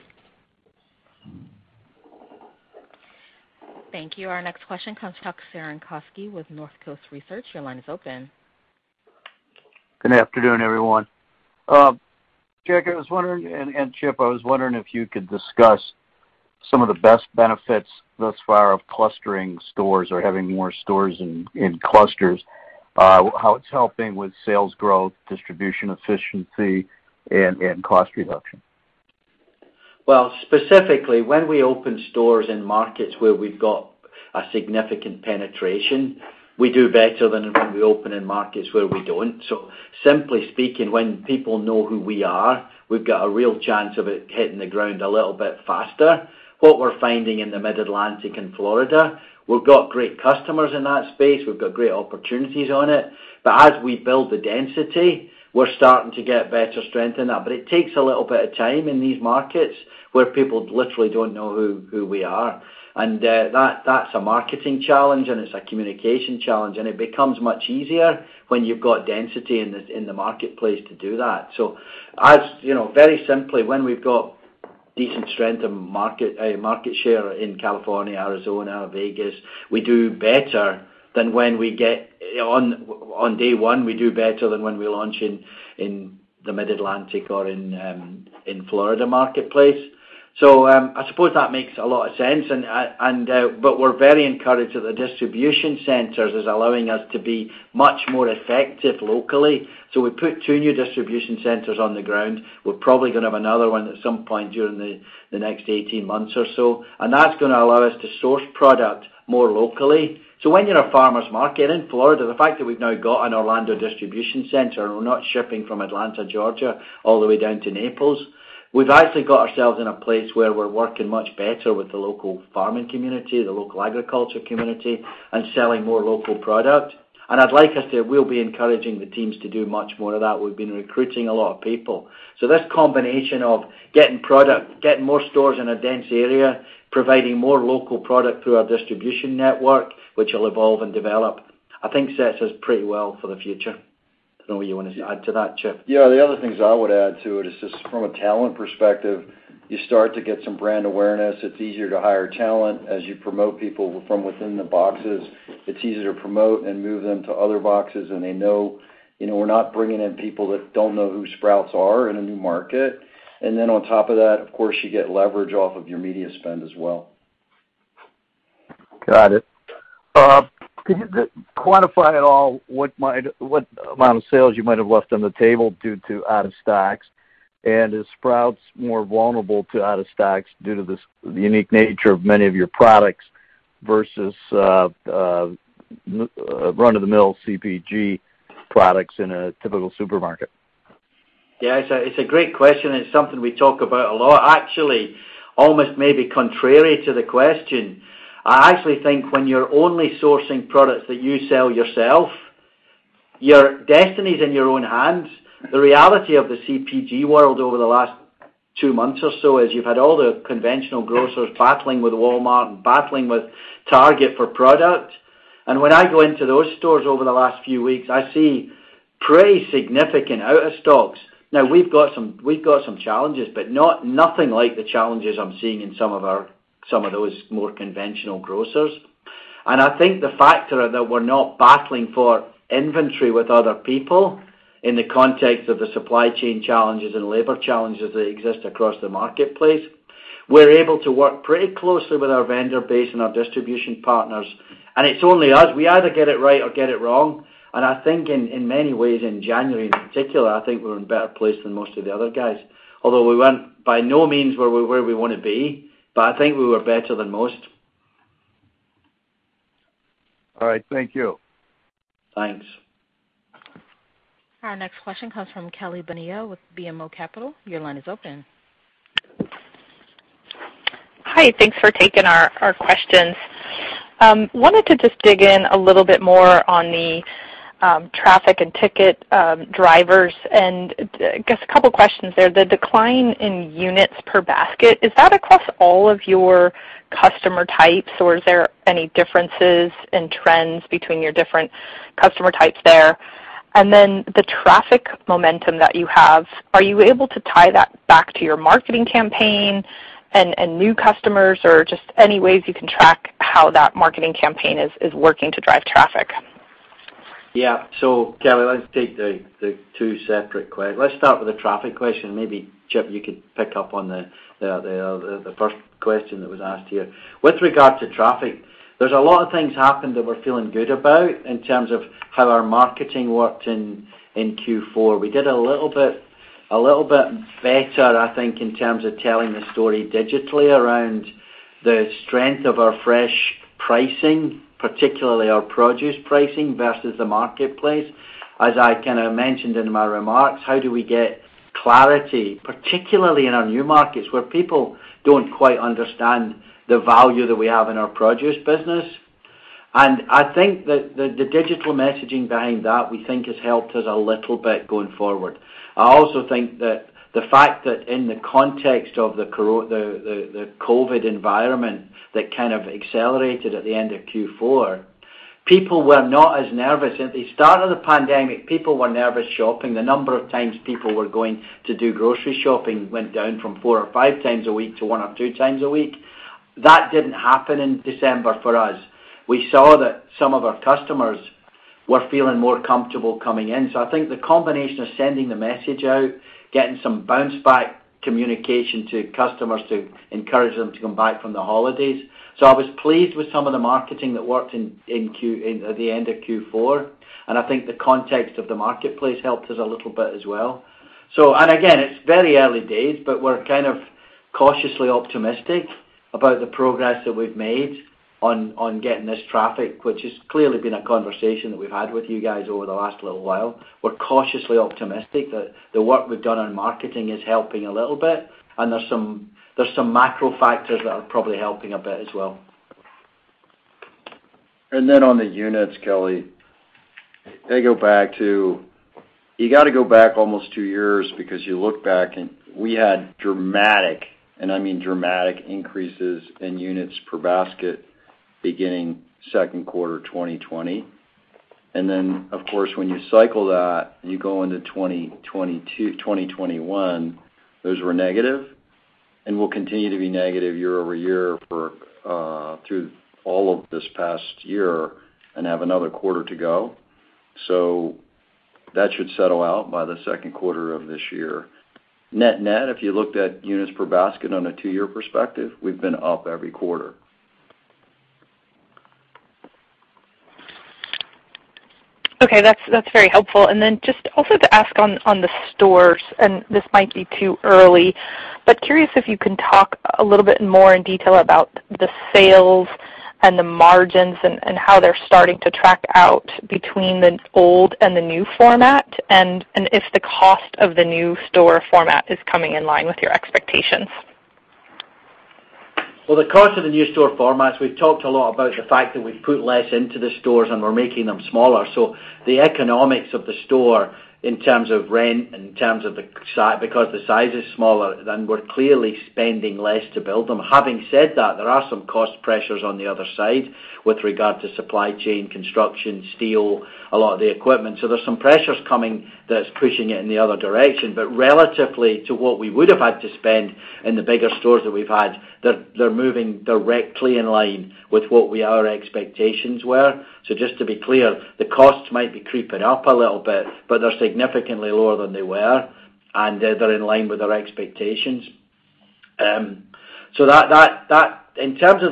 Thank you. Our next question comes from Chuck Cerankosky with Northcoast Research. Your line is open. Good afternoon, everyone. Jack and Chip, I was wondering if you could discuss some of the best benefits thus far of clustering stores or having more stores in clusters, how it's helping with sales growth, distribution efficiency, and cost reduction. Well, specifically, when we open stores in markets where we've got a significant penetration, we do better than when we open in markets where we don't. Simply speaking, when people know who we are, we've got a real chance of it hitting the ground a little bit faster. What we're finding in the Mid-Atlantic and Florida, we've got great customers in that space, we've got great opportunities on it. As we build the density, we're starting to get better strength in that. It takes a little bit of time in these markets where people literally don't know who we are. That, that's a marketing challenge, and it's a communication challenge. It becomes much easier when you've got density in the marketplace to do that. As you know, very simply, when we've got decent strength of market share in California, Arizona, Vegas. We do better than when we get on day one, we do better than when we launch in the Mid-Atlantic or in Florida marketplace. I suppose that makes a lot of sense, but we're very encouraged that the distribution centers is allowing us to be much more effective locally. We put two new distribution centers on the ground. We're probably gonna have another one at some point during the next 18 months or so, and that's gonna allow us to source product more locally. When you're in a farmers market in Florida, the fact that we've now got an Orlando distribution center, and we're not shipping from Atlanta, Georgia, all the way down to Naples, we've actually got ourselves in a place where we're working much better with the local farming community, the local agriculture community, and selling more local product. I'd like us to. We'll be encouraging the teams to do much more of that. We've been recruiting a lot of people. This combination of getting product, getting more stores in a dense area, providing more local product through our distribution network, which will evolve and develop, I think sets us pretty well for the future. I don't know what you wanna add to that, Chip. Yeah. The other things I would add to it is just from a talent perspective, you start to get some brand awareness. It's easier to hire talent as you promote people from within the boxes. It's easier to promote and move them to other boxes, and they know, you know, we're not bringing in people that don't know who Sprouts are in a new market. On top of that, of course, you get leverage off of your media spend as well. Got it. Could you quantify at all what amount of sales you might have left on the table due to out of stocks? Is Sprouts more vulnerable to out of stocks due to this unique nature of many of your products versus run-of-the-mill CPG products in a typical supermarket? Yeah. It's a great question. It's something we talk about a lot. Actually, almost maybe contrary to the question, I actually think when you're only sourcing products that you sell yourself, your destiny's in your own hands. The reality of the CPG world over the last two months or so is you've had all the conventional grocers battling with Walmart and battling with Target for product. When I go into those stores over the last few weeks, I see pretty significant out of stocks. Now we've got some challenges, but nothing like the challenges I'm seeing in some of those more conventional grocers. I think the factor that we're not battling for inventory with other people in the context of the supply chain challenges and labor challenges that exist across the marketplace, we're able to work pretty closely with our vendor base and our distribution partners. It's only us. We either get it right or get it wrong. I think in many ways, in January in particular, I think we're in a better place than most of the other guys. Although we weren't, by no means were we where we wanna be, but I think we were better than most. All right. Thank you. Thanks. Our next question comes from Kelly Bania with BMO Capital. Your line is open. Hi. Thanks for taking our questions. Wanted to just dig in a little bit more on the traffic and ticket drivers. Just a couple questions there. The decline in units per basket, is that across all of your customer types, or is there any differences in trends between your different customer types there? The traffic momentum that you have, are you able to tie that back to your marketing campaign and new customers, or just any ways you can track how that marketing campaign is working to drive traffic? Yeah. Kelly, let's take the two separate questions. Let's start with the traffic question. Maybe, Chip, you could pick up on the first question that was asked here. With regard to traffic, there's a lot of things happened that we're feeling good about in terms of how our marketing worked in Q4. We did a little bit better, I think, in terms of telling the story digitally around the strength of our fresh pricing, particularly our produce pricing versus the marketplace. As I kinda mentioned in my remarks, how do we get clarity, particularly in our new markets, where people don't quite understand the value that we have in our produce business. I think the digital messaging behind that, we think, has helped us a little bit going forward. I also think that the fact that in the context of the COVID environment that kind of accelerated at the end of Q4, people were not as nervous. At the start of the pandemic, people were nervous shopping. The number of times people were going to do grocery shopping went down from four or five times a week to one or two times a week. That didn't happen in December for us. We saw that some of our customers were feeling more comfortable coming in. I think the combination of sending the message out, getting some bounce back communication to customers to encourage them to come back from the holidays. I was pleased with some of the marketing that worked in the end of Q4, and I think the context of the marketplace helped us a little bit as well. It's very early days, but we're kind of cautiously optimistic about the progress that we've made on getting this traffic, which has clearly been a conversation that we've had with you guys over the last little while. We're cautiously optimistic that the work we've done on marketing is helping a little bit, and there's some macro factors that are probably helping a bit as well. On the units, Kelly, you gotta go back almost two years because you look back and we had dramatic, and I mean dramatic, increases in units per basket beginning second quarter 2020. Of course, when you cycle that, you go into 2021, those were negative and will continue to be negative year-over-year through all of this past year and have another quarter to go. That should settle out by the second quarter of this year. Net-net, if you looked at units per basket on a two-year perspective, we've been up every quarter. Okay. That's very helpful. Just also to ask on the stores, and this might be too early, but curious if you can talk a little bit more in detail about the sales and the margins and how they're starting to track out between the old and the new format, and if the cost of the new store format is coming in line with your expectations? Well, the cost of the new store formats, we've talked a lot about the fact that we've put less into the stores, and we're making them smaller. The economics of the store in terms of rent, in terms of the size because the size is smaller, then we're clearly spending less to build them. Having said that, there are some cost pressures on the other side with regard to supply chain, construction, steel, a lot of the equipment. There's some pressures coming that's pushing it in the other direction. But relatively to what we would have had to spend in the bigger stores that we've had, they're moving directly in line with our expectations were. Just to be clear, the costs might be creeping up a little bit, but they're significantly lower than they were, and they're in line with our expectations. In terms of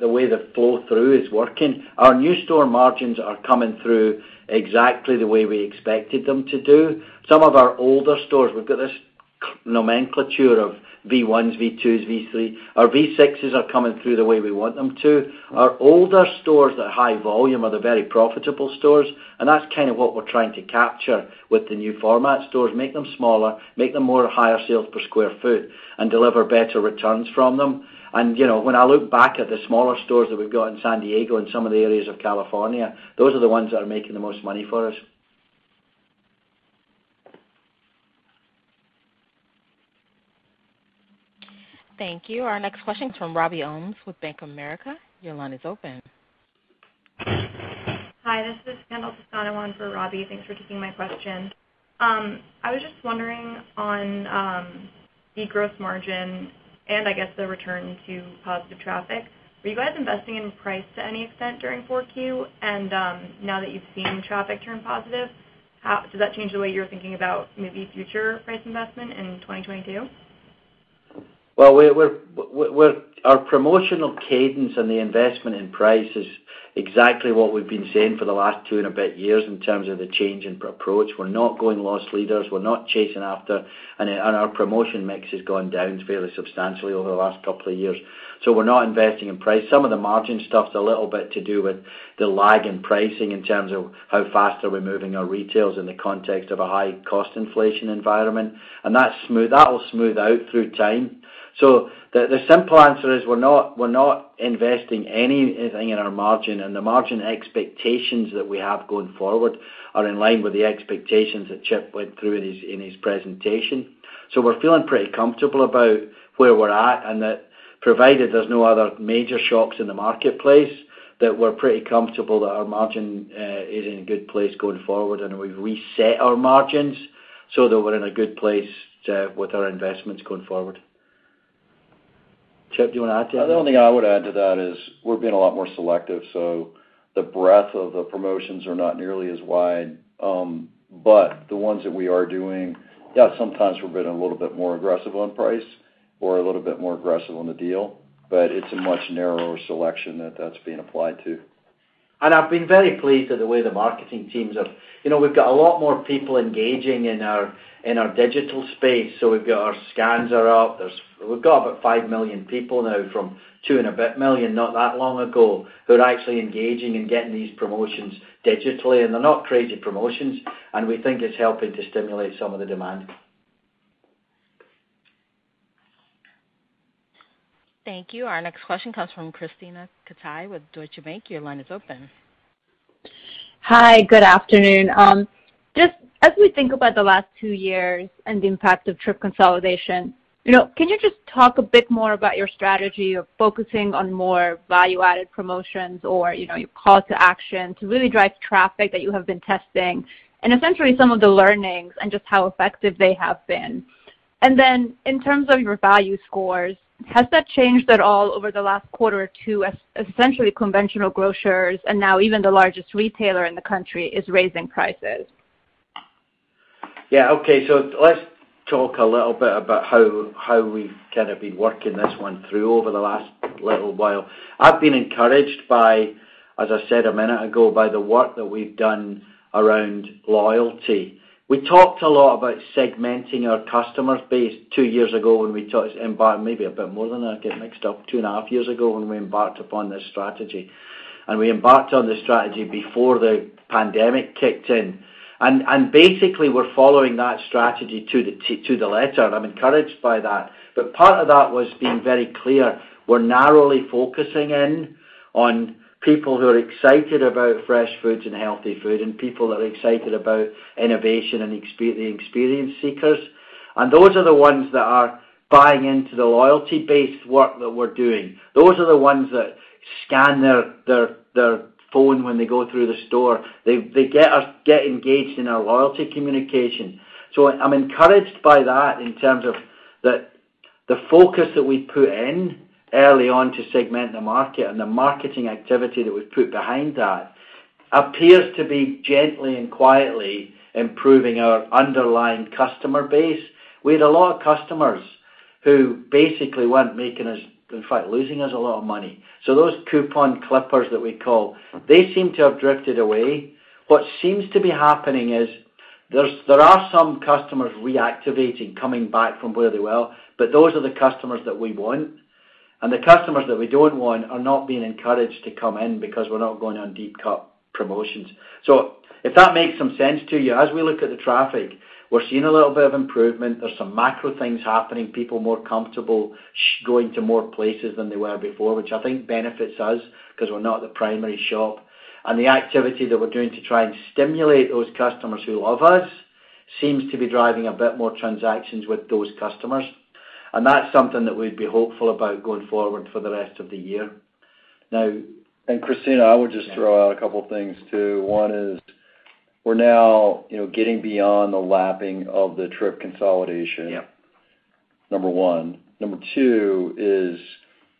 the way the flow through is working, our new store margins are coming through exactly the way we expected them to do. Some of our older stores, we've got this nomenclature of V-ones, V-twos, V-three. Our V-sixes are coming through the way we want them to. Our older stores that are high volume are the very profitable stores, and that's kind of what we're trying to capture with the new format stores, make them smaller, make them more higher sales per square foot and deliver better returns from them. You know, when I look back at the smaller stores that we've got in San Diego and some of the areas of California, those are the ones that are making the most money for us. Thank you. Our next question is from Robbie Ohmes with Bank of America. Your line is open. Hi, this is Kendall Toscano on for Robbie Ohmes. Thanks for taking my question. I was just wondering on the gross margin and I guess the return to positive traffic. Were you guys investing in price to any extent during 4Q? Now that you've seen traffic turn positive, how does that change the way you're thinking about maybe future price investment in 2022? Well, our promotional cadence and the investment in price is exactly what we've been saying for the last two and a bit years in terms of the change in approach. We're not going loss leaders, we're not chasing after, and our promotion mix has gone down fairly substantially over the last couple of years. We're not investing in price. Some of the margin stuff's a little bit to do with the lag in pricing in terms of how fast are we moving our retails in the context of a high cost inflation environment. That will smooth out through time. The simple answer is we're not investing anything in our margin, and the margin expectations that we have going forward are in line with the expectations that Chip went through in his presentation. We're feeling pretty comfortable about where we're at, and that provided there's no other major shocks in the marketplace, that we're pretty comfortable that our margin is in a good place going forward, and we've reset our margins so that we're in a good place with our investments going forward. Chip, do you want to add to that? The only thing I would add to that is we're being a lot more selective, so the breadth of the promotions are not nearly as wide. The ones that we are doing, yeah, sometimes we're being a little bit more aggressive on price or a little bit more aggressive on the deal, but it's a much narrower selection that that's being applied to. I've been very pleased with the way the marketing teams have. You know, we've got a lot more people engaging in our digital space. Our scans are up. We've got about 5 million people now from 2 million and a bit million not that long ago, who are actually engaging and getting these promotions digitally. They're not crazy promotions, and we think it's helping to stimulate some of the demand. Thank you. Our next question comes from Krisztina Katai with Deutsche Bank. Your line is open. Hi. Good afternoon. Just as we think about the last two years and the impact of trip consolidation, you know, can you just talk a bit more about your strategy of focusing on more value-added promotions or, you know, your call to action to really drive traffic that you have been testing, and essentially some of the learnings and just how effective they have been? Then in terms of your value scores, has that changed at all over the last quarter or two, as essentially conventional grocers and now even the largest retailer in the country is raising prices? Yeah. Okay, let's talk a little bit about how we've kind of been working this one through over the last little while. I've been encouraged by, as I said a minute ago, by the work that we've done around loyalty. We talked a lot about segmenting our customer base two and a half years ago when we embarked upon this strategy. We embarked on this strategy before the pandemic kicked in. Basically, we're following that strategy to the letter. I'm encouraged by that. Part of that was being very clear. We're narrowly focusing in on people who are excited about fresh foods and healthy food and people that are excited about innovation and the experience seekers. Those are the ones that are buying into the loyalty-based work that we're doing. Those are the ones that scan their phone when they go through the store. They get engaged in our loyalty communication. I'm encouraged by that in terms of that the focus that we put in early on to segment the market and the marketing activity that was put behind that appears to be gently and quietly improving our underlying customer base. We had a lot of customers who basically weren't in fact losing us a lot of money. Those coupon clippers that we call, they seem to have drifted away. What seems to be happening is there are some customers reactivating, coming back from where they were, but those are the customers that we want. The customers that we don't want are not being encouraged to come in because we're not going on deep cut promotions. If that makes some sense to you, as we look at the traffic, we're seeing a little bit of improvement. There's some macro things happening, people more comfortable going to more places than they were before, which I think benefits us because we're not the primary shop. The activity that we're doing to try and stimulate those customers who love us seems to be driving a bit more transactions with those customers. That's something that we'd be hopeful about going forward for the rest of the year. Now, Krisztina, I would just throw out a couple of things, too. One is we're now, you know, getting beyond the lapping of the trip consolidation. Yeah. Number one. Number two is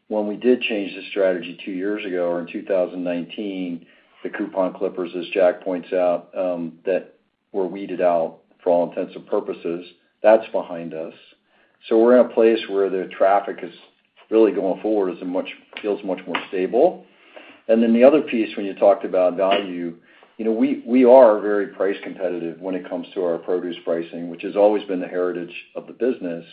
when we did change the strategy two years ago or in 2019, the coupon clippers, as Jack points out, that were weeded out for all intents and purposes, that's behind us. We're in a place where the traffic is really going forward feels much more stable. The other piece, when you talked about value, you know, we are very price competitive when it comes to our produce pricing, which has always been the heritage of the business.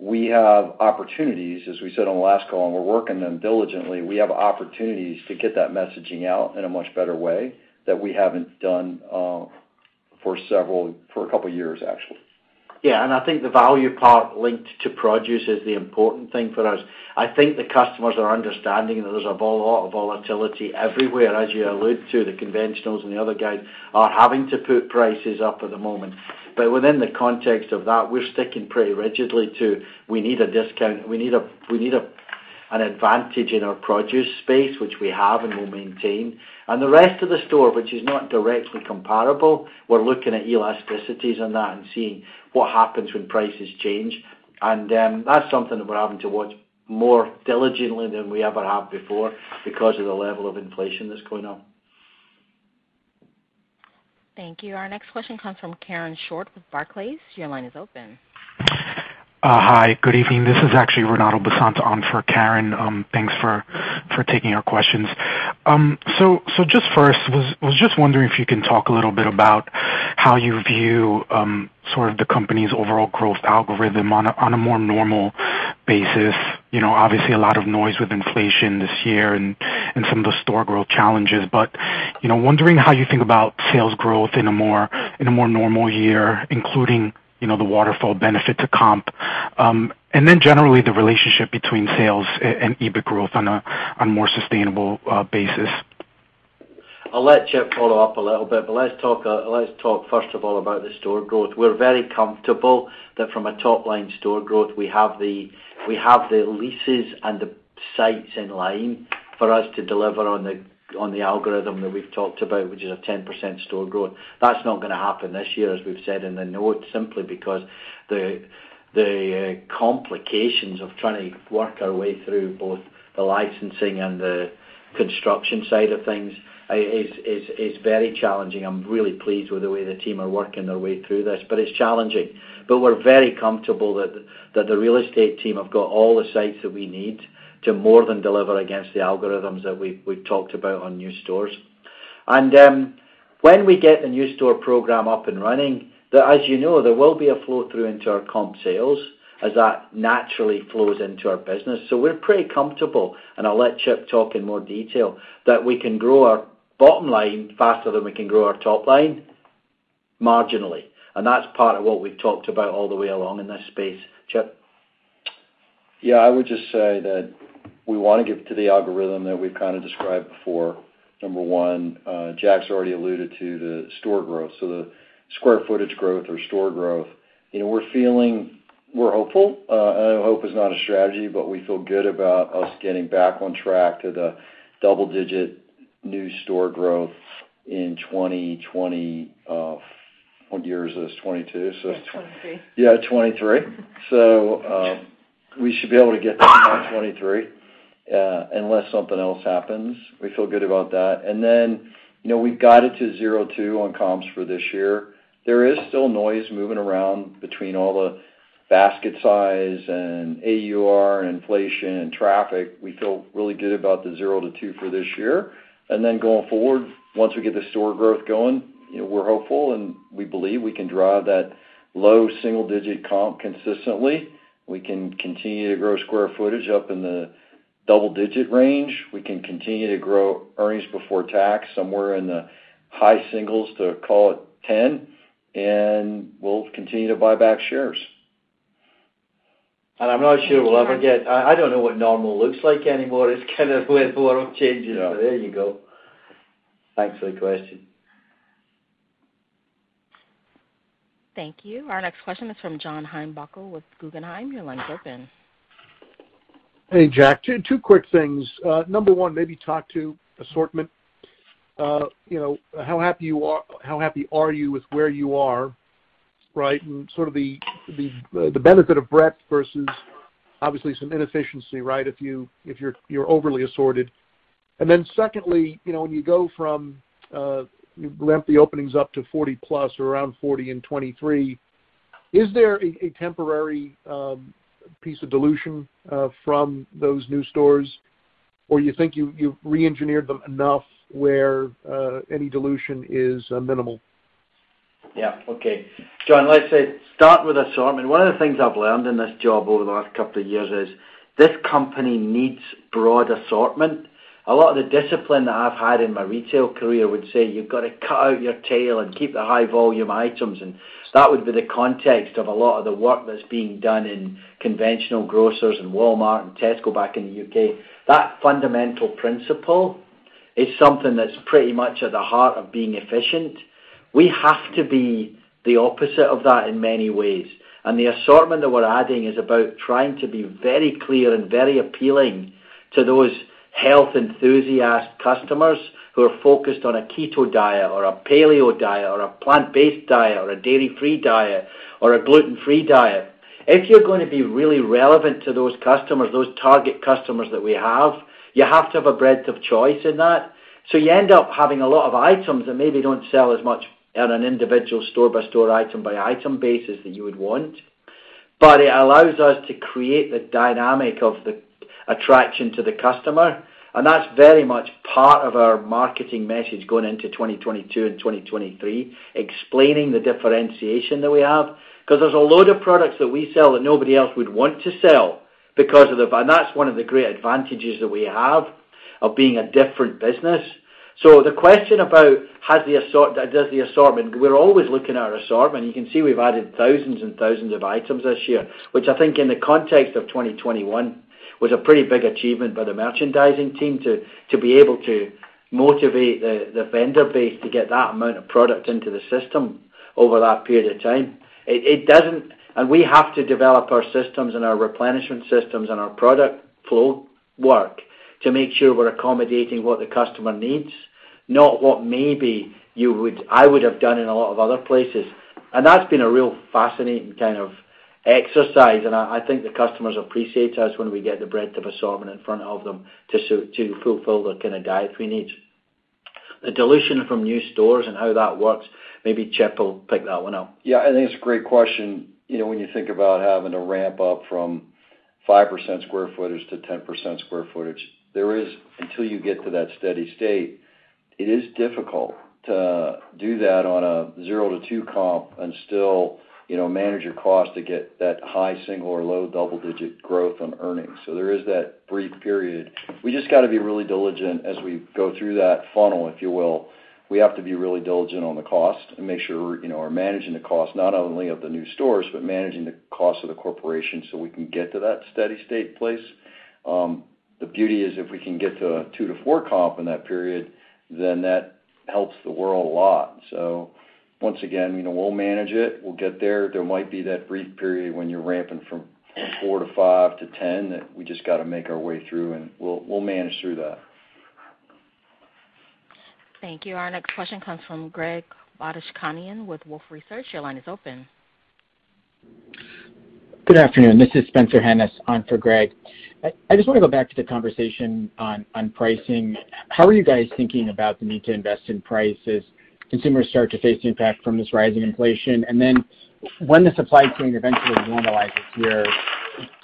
We have opportunities, as we said on the last call, and we're working them diligently. We have opportunities to get that messaging out in a much better way that we haven't done for a couple of years, actually. Yeah. I think the value part linked to produce is the important thing for us. I think the customers are understanding that there's a volatility everywhere, as you allude to. The conventionals and the other guys are having to put prices up at the moment. Within the context of that, we're sticking pretty rigidly to we need a discount, an advantage in our produce space, which we have and we'll maintain. The rest of the store, which is not directly comparable, we're looking at elasticities on that and seeing what happens when prices change. That's something that we're having to watch more diligently than we ever have before because of the level of inflation that's going on. Thank you. Our next question comes from Karen Short with Barclays. Your line is open. Hi. Good evening. This is actually Renato Basanta on for Karen. Thanks for taking our questions. So just first, I was just wondering if you can talk a little bit about how you view sort of the company's overall growth algorithm on a more normal basis. You know, obviously a lot of noise with inflation this year and some of the store growth challenges, but you know, wondering how you think about sales growth in a more normal year, including you know, the waterfall benefit to comp, and then generally the relationship between sales and EBIT growth on a more sustainable basis. I'll let Chip follow up a little bit, but let's talk first of all about the store growth. We're very comfortable that from a top-line store growth, we have the leases and the sites in line for us to deliver on the algorithm that we've talked about, which is a 10% store growth. That's not gonna happen this year, as we've said in the notes, simply because the complications of trying to work our way through both the licensing and the construction side of things is very challenging. I'm really pleased with the way the team are working their way through this, but it's challenging. We're very comfortable that the real estate team have got all the sites that we need to more than deliver against the algorithms that we've talked about on new stores. When we get the new store program up and running, as you know, there will be a flow through into our comp sales as that naturally flows into our business. We're pretty comfortable, and I'll let Chip talk in more detail, that we can grow our bottom line faster than we can grow our top line marginally. That's part of what we've talked about all the way along in this space. Chip? Yeah. I would just say that we want to get to the algorithm that we've kind of described before. Number one, Jack's already alluded to the store growth. The square footage growth or store growth, you know, we're hopeful. I know hope is not a strategy, but we feel good about us getting back on track to the double digit new store growth in 2020, what year is this? 2022 so-. 2023. Yeah, 2023. We should be able to get that in 2023, unless something else happens. We feel good about that. You know, we've got it to 0%-2% on comps for this year. There is still noise moving around between all the basket size and AUR and inflation and traffic. We feel really good about the 0%-2% for this year. Going forward, once we get the store growth going, you know, we're hopeful, and we believe we can drive that low single-digit comp consistently. We can continue to grow square footage up in the double-digit range. We can continue to grow earnings before tax somewhere in the high single digits to call it 10, and we'll continue to buy back shares. I'm not sure we'll ever get. I don't know what normal looks like anymore. It's kind of with a lot of changes. There you go. Thanks for the question. Thank you. Our next question is from John Heinbockel with Guggenheim. Your line's open. Hey, Jack. Two quick things. Number one, maybe talk to assortment. You know, how happy are you with where you are, right? Sort of the benefit of breadth versus obviously some inefficiency, right? If you're overly assorted. Secondly, you know, when you ramp the openings up to 40+ or around 40 in 2023, is there a temporary piece of dilution from those new stores? Or you think you've reengineered them enough where any dilution is minimal? Yeah. Okay. John, let's say, start with assortment. One of the things I've learned in this job over the last couple of years is this company needs broad assortment. A lot of the discipline that I've had in my retail career would say, "You've gotta cut out your tail and keep the high volume items." That would be the context of a lot of the work that's being done in conventional grocers and Walmart and Tesco back in the U.K. That fundamental principle is something that's pretty much at the heart of being efficient. We have to be the opposite of that in many ways. The assortment that we're adding is about trying to be very clear and very appealing to those health enthusiast customers who are focused on a keto diet or a paleo diet or a plant-based diet or a dairy-free diet or a gluten-free diet. If you're gonna be really relevant to those customers, those target customers that we have, you have to have a breadth of choice in that. You end up having a lot of items that maybe don't sell as much on an individual store-by-store, item-by-item basis that you would want, but it allows us to create the dynamic of the attraction to the customer. That's very much part of our marketing message going into 2022 and 2023, explaining the differentiation that we have. 'Cause there's a load of products that we sell that nobody else would want to sell because of the. That's one of the great advantages that we have of being a different business. The question about does the assortment, we're always looking at our assortment. You can see we've added thousands and thousands of items this year, which I think in the context of 2021 was a pretty big achievement by the merchandising team to be able to motivate the vendor base to get that amount of product into the system over that period of time. It doesn't. We have to develop our systems and our replenishment systems and our product flow work to make sure we're accommodating what the customer needs, not what maybe I would have done in a lot of other places. That's been a real fascinating kind of exercise. I think the customers appreciate us when we get the breadth of assortment in front of them to fulfill the kind of diet we need. The dilution from new stores and how that works. Maybe Chip will pick that one up. Yeah. I think it's a great question, you know, when you think about having to ramp up from 5% square footage to 10% square footage. There is, until you get to that steady state, it is difficult to do that on a 0%-2% comp and still, you know, manage your cost to get that high single or low double-digit growth on earnings. There is that brief period. We just gotta be really diligent as we go through that funnel, if you will. We have to be really diligent on the cost and make sure, you know, are managing the cost not only of the new stores but managing the cost of the corporation so we can get to that steady state place. The beauty is if we can get to a two to four comp in that period, then that helps the world a lot. Once again, you know, we'll manage it. We'll get there. There might be that brief period when you're ramping from four to five to 10 that we just gotta make our way through, and we'll manage through that. Thank you. Our next question comes from Greg Badishkanian with Wolfe Research. Your line is open. Good afternoon. This is Spencer Hanus on for Greg Badishkanian. I just wanna go back to the conversation on pricing. How are you guys thinking about the need to invest in prices, consumers start to face the impact from this rising inflation? When the supply chain eventually normalizes here,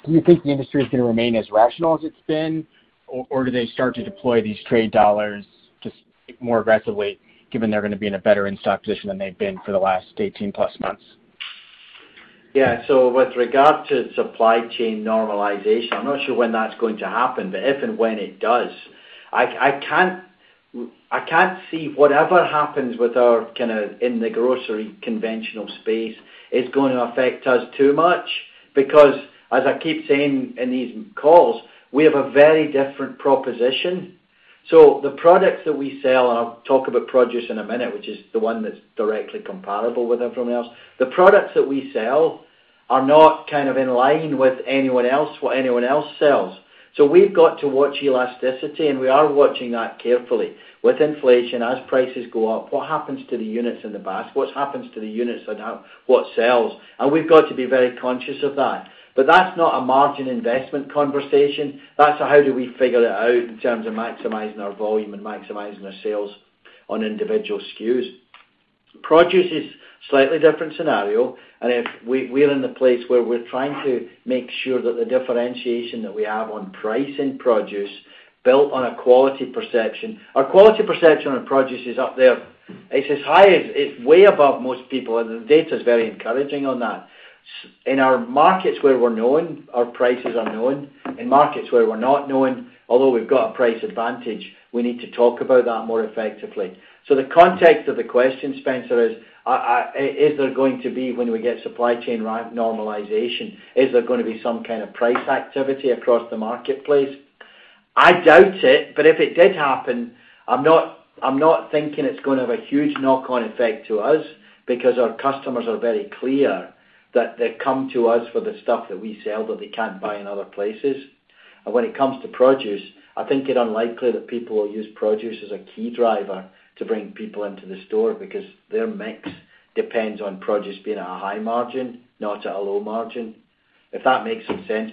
do you think the industry is gonna remain as rational as it's been, or do they start to deploy these trade dollars just more aggressively given they're gonna be in a better in-stock position than they've been for the last 18+ months? Yeah. With regard to supply chain normalization, I'm not sure when that's going to happen. If and when it does, I can't see whatever happens with our kind of in the grocery conventional space is going to affect us too much because as I keep saying in these calls, we have a very different proposition. The products that we sell, and I'll talk about produce in a minute, which is the one that's directly comparable with everyone else, the products that we sell are not kind of in line with anyone else, what anyone else sells. We've got to watch elasticity, and we are watching that carefully. With inflation, as prices go up, what happens to the units in the basket? What happens to the units and how, what sells? We've got to be very conscious of that. That's not a margin investment conversation. That's a how do we figure it out in terms of maximizing our volume and maximizing our sales on individual SKUs. Produce is slightly different scenario, and if we're in the place where we're trying to make sure that the differentiation that we have on price in produce built on a quality perception. Our quality perception on produce is up there. It's as high as it's way above most people, and the data's very encouraging on that. In our markets where we're known, our prices are known. In markets where we're not known, although we've got a price advantage, we need to talk about that more effectively. The context of the question, Spencer, is there going to be, when we get supply chain normalization, is there gonna be some kind of price activity across the marketplace? I doubt it, but if it did happen, I'm not thinking it's gonna have a huge knock-on effect to us because our customers are very clear that they come to us for the stuff that we sell that they can't buy in other places. When it comes to produce, I think it unlikely that people will use produce as a key driver to bring people into the store because their mix depends on produce being at a high margin, not at a low margin, if that makes some sense.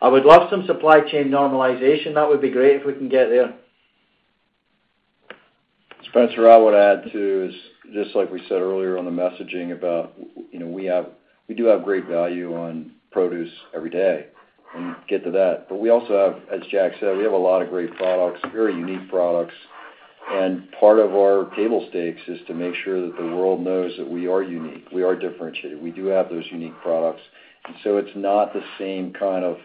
I would love some supply chain normalization. That would be great if we can get there. Spencer Hanus, I would add too is just like we said earlier on the messaging about, you know, we have, we do have great value on produce every day, and get to that. But we also have, as Jack Sinclair said, we have a lot of great products, very unique products. Part of our table stakes is to make sure that the world knows that we are unique, we are differentiated, we do have those unique products. So it's not the same kind of,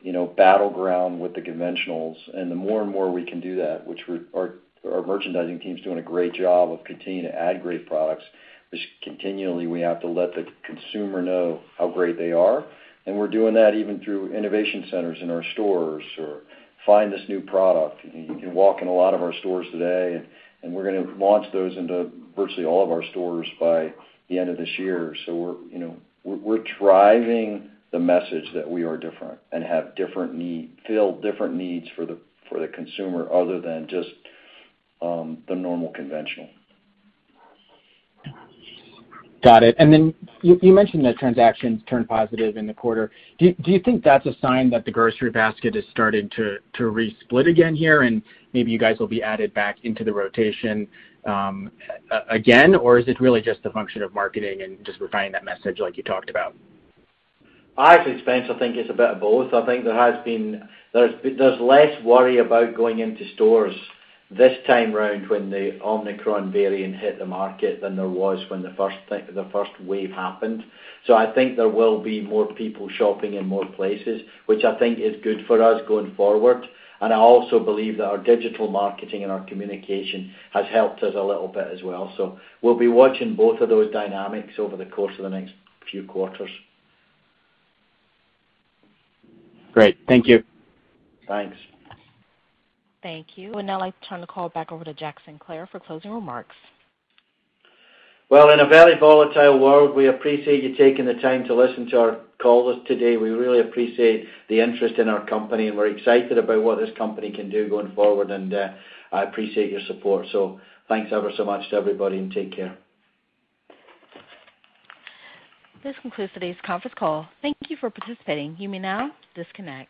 you know, battleground with the conventionals. The more and more we can do that, which we're, our merchandising team's doing a great job of continuing to add great products, just continually we have to let the consumer know how great they are. We're doing that even through innovation centers in our stores or find this new product. You can walk in a lot of our stores today, and we're gonna launch those into virtually all of our stores by the end of this year. We're, you know, driving the message that we are different and fill different needs for the consumer other than just the normal conventional. Got it. You mentioned that transactions turned positive in the quarter. Do you think that's a sign that the grocery basket is starting to resplit again here, and maybe you guys will be added back into the rotation, again? Or is it really just a function of marketing and just refining that message like you talked about? I think, Spence, I think it's a bit of both. I think there has been less worry about going into stores this time around when the Omicron variant hit the market than there was when the first wave happened. I think there will be more people shopping in more places, which I think is good for us going forward. I also believe that our digital marketing and our communication has helped us a little bit as well. We'll be watching both of those dynamics over the course of the next few quarters. Great. Thank you. Thanks. Thank you. I would now like to turn the call back over to Jack Sinclair for closing remarks. Well, in a very volatile world, we appreciate you taking the time to listen to our call today. We really appreciate the interest in our company, and we're excited about what this company can do going forward, and I appreciate your support. Thanks ever so much to everybody, and take care. This concludes today's conference call. Thank you for participating. You may now disconnect.